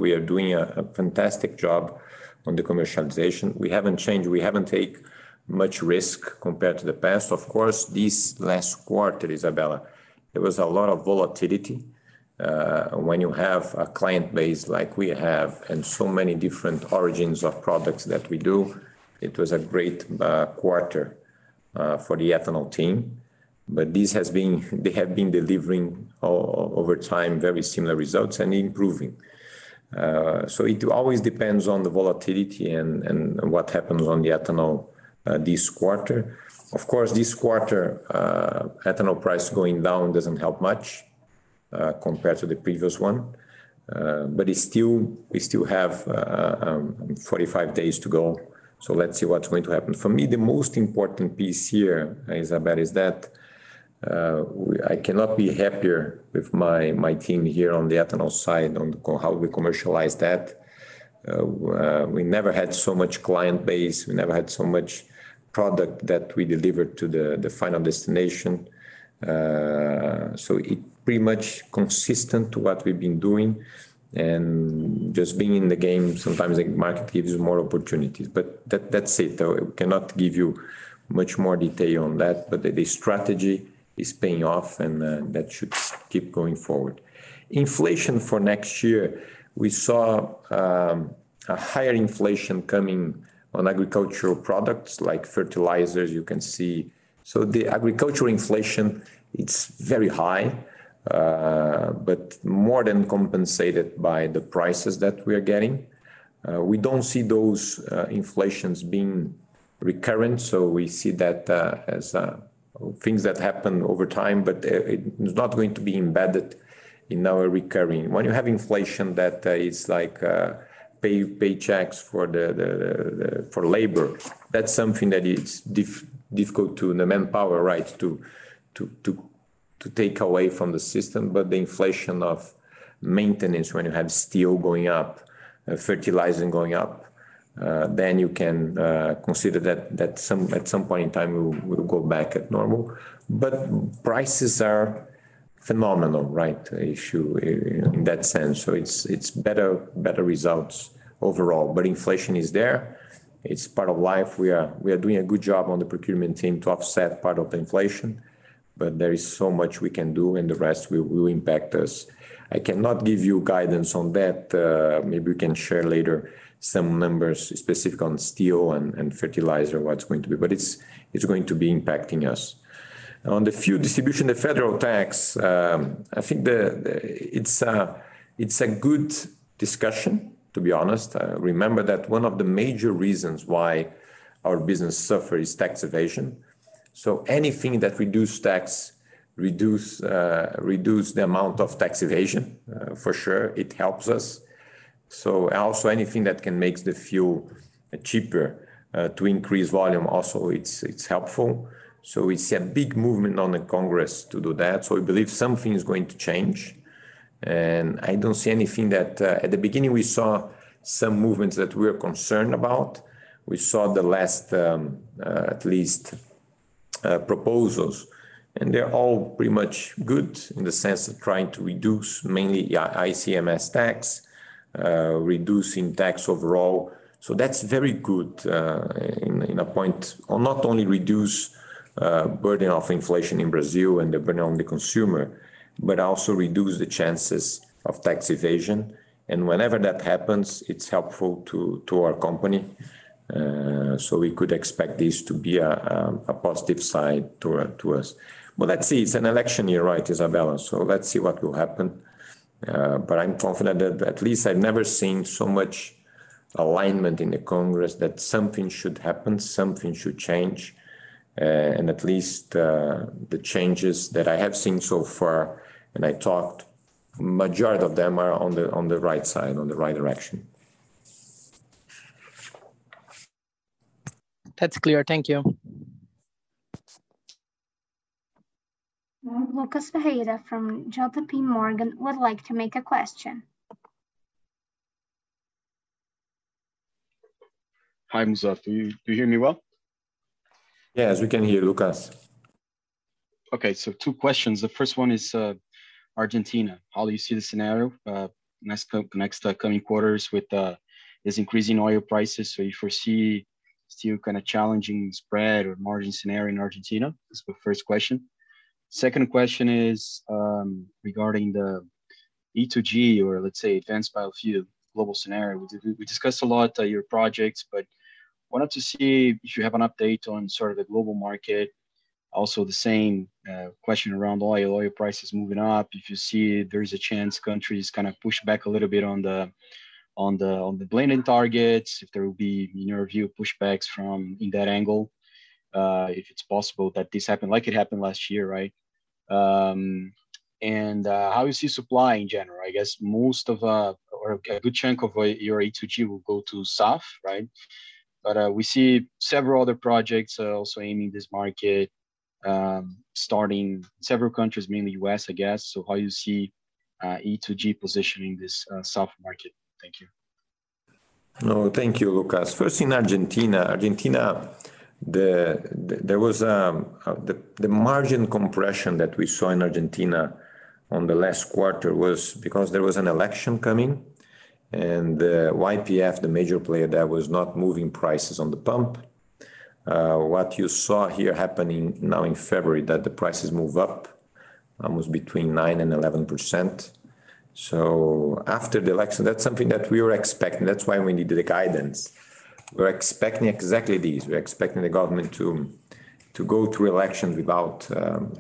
We are doing a fantastic job on the commercialization. We haven't changed. We haven't take much risk compared to the past. Of course, this last quarter, Isabella, there was a lot of volatility. When you have a client base like we have and so many different origins of products that we do, it was a great quarter for the ethanol team. But they have been delivering over time very similar results and improving. It always depends on the volatility and what happens on the ethanol this quarter. Of course, this quarter, ethanol price going down doesn't help much compared to the previous one. We still have 45 days to go, so let's see what's going to happen. For me, the most important piece here, Isabella, is that I cannot be happier with my team here on the ethanol side on how we commercialize that. We never had so much client base. We never had so much product that we delivered to the final destination. It pretty much consistent to what we've been doing and just being in the game, sometimes the market gives you more opportunities. That's it, though. I cannot give you much more detail on that. The strategy is paying off, and that should keep going forward. Inflation for next year, we saw a higher inflation coming on agricultural products like fertilizers, you can see. The agricultural inflation, it's very high, but more than compensated by the prices that we are getting. We don't see those inflations being recurrent, so we see that as things that happen over time. It's not going to be embedded in our recurring. When you have inflation that is like paychecks for labor, that's something that is difficult. The manpower, right, to take away from the system. The inflation of maintenance, when you have steel going up, fertilizer going up, then you can consider that at some point in time will go back to normal. Prices are phenomenal, right, Ishu, in that sense. It's better results overall. Inflation is there. It's part of life. We are doing a good job on the procurement team to offset part of the inflation, but there is so much we can do, and the rest will impact us. I cannot give you guidance on that. Maybe we can share later some numbers specific on steel and fertilizer, what's going to be. It's going to be impacting us. On the fuel distribution, the federal tax, I think the it's a good discussion, to be honest. Remember that one of the major reasons why our business suffer is tax evasion. Anything that reduce tax, reduce the amount of tax evasion, for sure it helps us. Also anything that can makes the fuel cheaper, to increase volume also it's helpful. We see a big movement on the Congress to do that. I believe something is going to change, and I don't see anything that at the beginning, we saw some movements that we are concerned about. We saw the latest proposals, and they're all pretty much good in the sense of trying to reduce mainly ICMS tax, reducing tax overall. That's very good in a point. Not only reduce burden of inflation in Brazil and the burden on the consumer, but also reduce the chances of tax evasion. Whenever that happens, it's helpful to our company. We could expect this to be a positive side to us. Let's see. It's an election year, right, Isabella? Let's see what will happen. I'm confident that at least I've never seen so much alignment in the Congress that something should happen, something should change. At least the changes that I have seen so far, majority of them are on the right side, on the right direction. That's clear. Thank you. Lucas Ferreira from JPMorgan would like to ask a question. Hi, Mussa. Do you hear me well? Yes, we can hear you, Lucas. Okay. Two questions. The first one is, Argentina. How do you see the scenario, next coming quarters with, this increasing oil prices? You foresee still kind of challenging spread or margin scenario in Argentina? That's my first question. Second question is, regarding the E2G or let's say advanced biofuel global scenario. We discussed a lot, your projects, but wanted to see if you have an update on sort of the global market. Also, the same question around oil. Oil prices moving up, if you see there is a chance countries kind of push back a little bit on the blending targets. If there will be, in your view, pushbacks in that angle, if it's possible that this happen like it happened last year, right? How is your supply in general? I guess most of or a good chunk of your E2G will go to SAF, right? We see several other projects also aiming at this market in several countries, mainly U.S., I guess. How do you see E2G positioning in this SAF market? Thank you. No, thank you, Lucas. First in Argentina, there was the margin compression that we saw in Argentina on the last quarter because there was an election coming and YPF, the major player there, was not moving prices on the pump. What you saw here happening now in February that the prices move up was between 9%-11%. After the election, that's something that we were expecting. That's why we needed a guidance. We're expecting exactly this. We're expecting the government to go to election without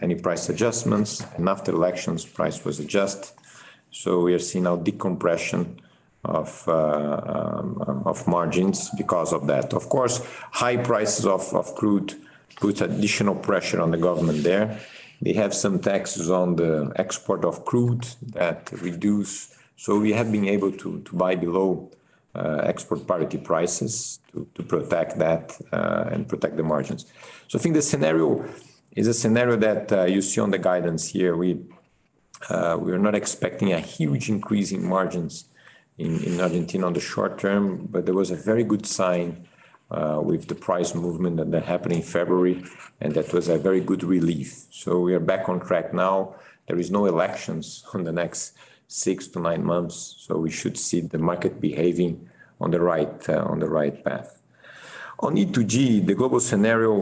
any price adjustments, and after elections price was adjust. We are seeing now decompression of margins because of that. Of course, high prices of crude put additional pressure on the government there. They have some taxes on the export of crude that reduce. We have been able to buy below export parity prices to protect that and protect the margins. I think the scenario is a scenario that you see on the guidance here. We are not expecting a huge increase in margins in Argentina on the short term, but there was a very good sign with the price movement that happened in February, and that was a very good relief. We are back on track now. There is no elections on the next six to nine months, so we should see the market behaving on the right path. On E2G, the global scenario,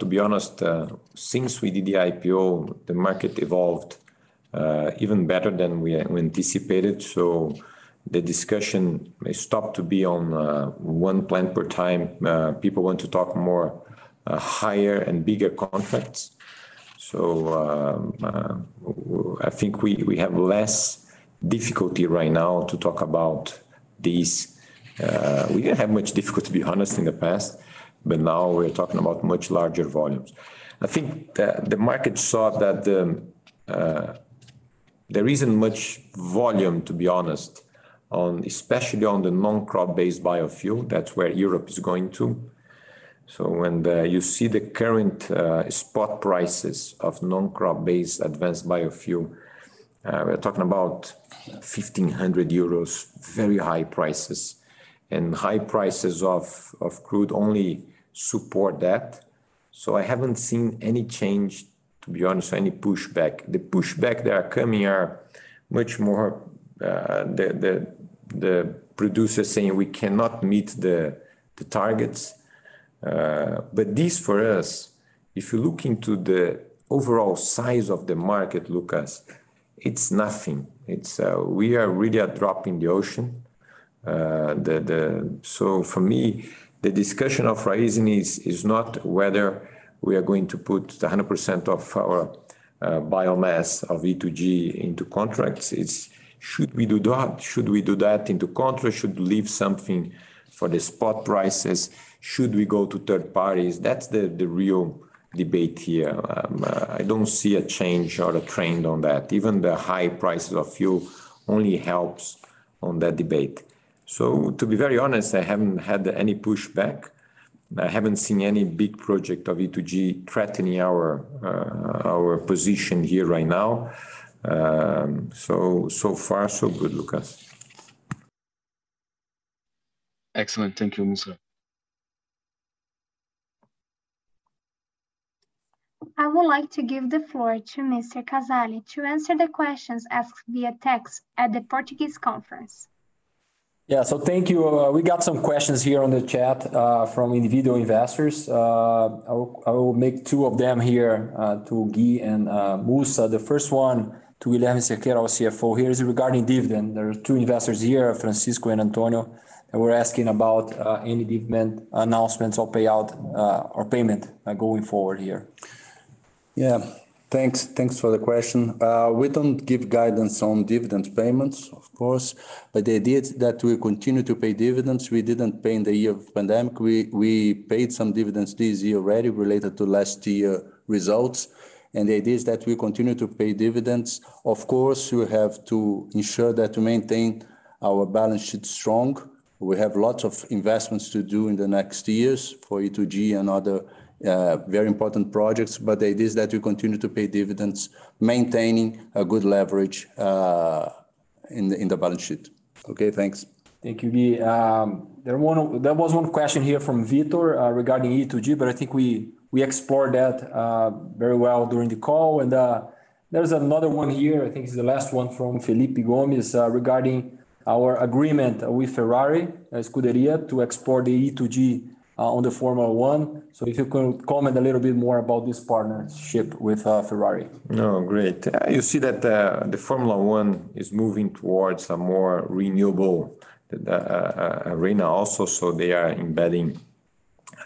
to be honest, since we did the IPO, the market evolved even better than we anticipated. The discussion may stop to be on one plant per time. People want to talk more higher and bigger contracts. I think we have less difficulty right now to talk about this. We didn't have much difficulty, to be honest, in the past, but now we're talking about much larger volumes. I think the market saw that there isn't much volume, to be honest, especially on the non-crop based biofuel. That's where Europe is going to. When you see the current spot prices of non-crop based advanced biofuel, we're talking about 1,500 euros, very high prices. High prices of crude only support that. I haven't seen any change, to be honest, or any pushback. The pushback that are coming are much more the producer saying we cannot meet the targets. This for us, if you look into the overall size of the market, Lucas, it's nothing. It's we are really a drop in the ocean. For me, the discussion of Raízen is not whether we are going to put the 100% of our biomass of E2G into contracts. It's should we do that? Should we do that into contracts? Should leave something for the spot prices? Should we go to third parties? That's the real debate here. I don't see a change or a trend on that. Even the high prices of fuel only helps on that debate. To be very honest, I haven't had any pushback. I haven't seen any big project of E2G threatening our position here right now. So far so good, Lucas. Excellent. Thank you, Mussa. I would like to give the floor to Mr. Casali to answer the questions asked via text at the Portuguese conference. Yeah. Thank you. We got some questions here on the chat from individual investors. I will make two of them here to Gui and Musa. The first one to Guilherme Cerqueira, our CFO here, is regarding dividend. There are two investors here, Francisco and Antonio, who are asking about any dividend announcements or payout or payment going forward here. Yeah. Thanks. Thanks for the question. We don't give guidance on dividend payments, of course, but the idea is that we continue to pay dividends. We didn't pay in the year of pandemic. We paid some dividends this year already related to last year results, and the idea is that we continue to pay dividends. Of course, we have to ensure that to maintain our balance sheet strong. We have lots of investments to do in the next years for E2G and other very important projects, but the idea is that we continue to pay dividends, maintaining a good leverage in the balance sheet. Okay, thanks. Thank you, Gui. There was one question here from Vitor regarding E2G, but I think we explored that very well during the call. There is another one here, I think it's the last one from Felipe Gomes regarding our agreement with Scuderia Ferrari to export the E2G on the Formula 1. If you can comment a little bit more about this partnership with Ferrari. No, great. You see that the Formula 1 is moving towards a more renewable arena also, so they are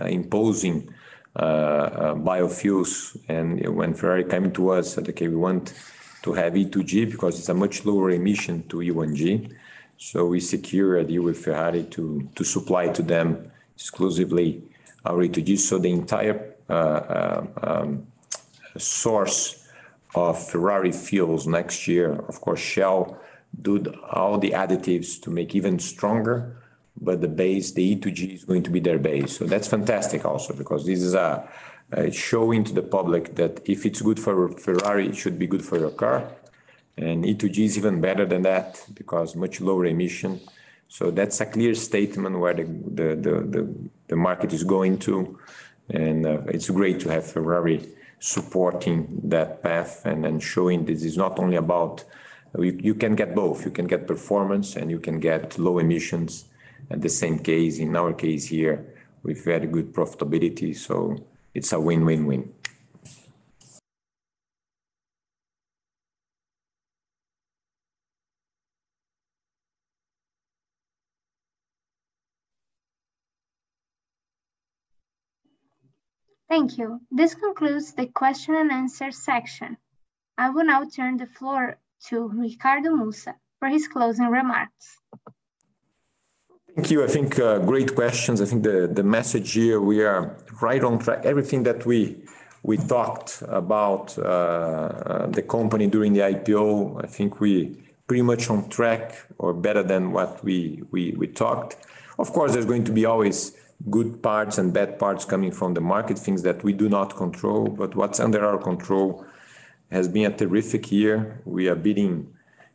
imposing biofuels. When Ferrari came to us said, "Okay, we want to have E2G because it's a much lower emission to E1G." We secure a deal with Ferrari to supply to them exclusively our E2G, so the entire source of Ferrari fuels next year, of course, Shell does the all the additives to make even stronger. But the base, the E2G is going to be their base. That's fantastic also because this is showing to the public that if it's good for Ferrari, it should be good for your car. E2G is even better than that because much lower emission. That's a clear statement where the market is going to. It's great to have Ferrari supporting that path and then showing this is not only about. You can get both, you can get performance, and you can get low emissions. At the same time, in our case here, we've had good profitability, so it's a win-win-win. Thank you. This concludes the question and answer section. I will now turn the floor to Ricardo Mussa for his closing remarks. Thank you. I think, great questions. I think the message here, we are right on track. Everything that we talked about, the company during the IPO, I think we pretty much on track or better than what we talked. Of course, there's going to be always good parts and bad parts coming from the market, things that we do not control. But what's under our control has been a terrific year. We are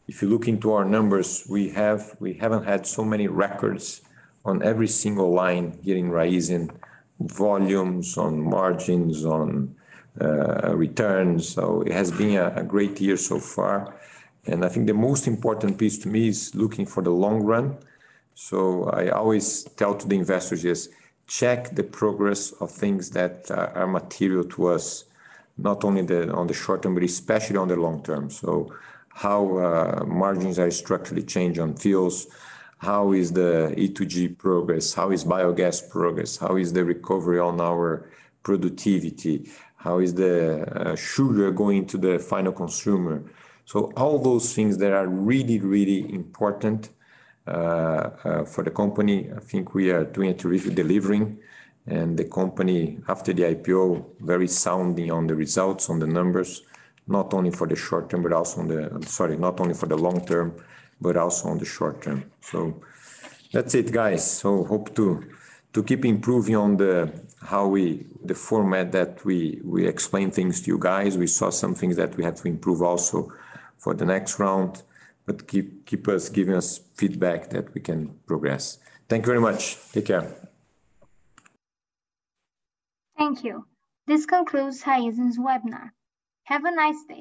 beating. If you look into our numbers, we haven't had so many records on every single line, getting Raízen volumes on margins, on returns. So it has been a great year so far. I think the most important piece to me is looking for the long run. I always tell to the investors, "Just check the progress of things that are material to us, not only on the short term, but especially on the long term." How margins are structurally changed on fuels, how is the E2G progress, how is biogas progress, how is the recovery on our productivity, how is the sugar going to the final consumer. All those things that are really, really important for the company, I think we are doing a terrific delivering. The company, after the IPO, very sound on the results, on the numbers. I'm sorry, not only for the long term, but also on the short term. That's it, guys. Hope to keep improving on the format that we explain things to you guys. We saw some things that we have to improve also for the next round. Keep giving us feedback that we can progress. Thank you very much. Take care. Thank you. This concludes Raízen's webinar. Have a nice day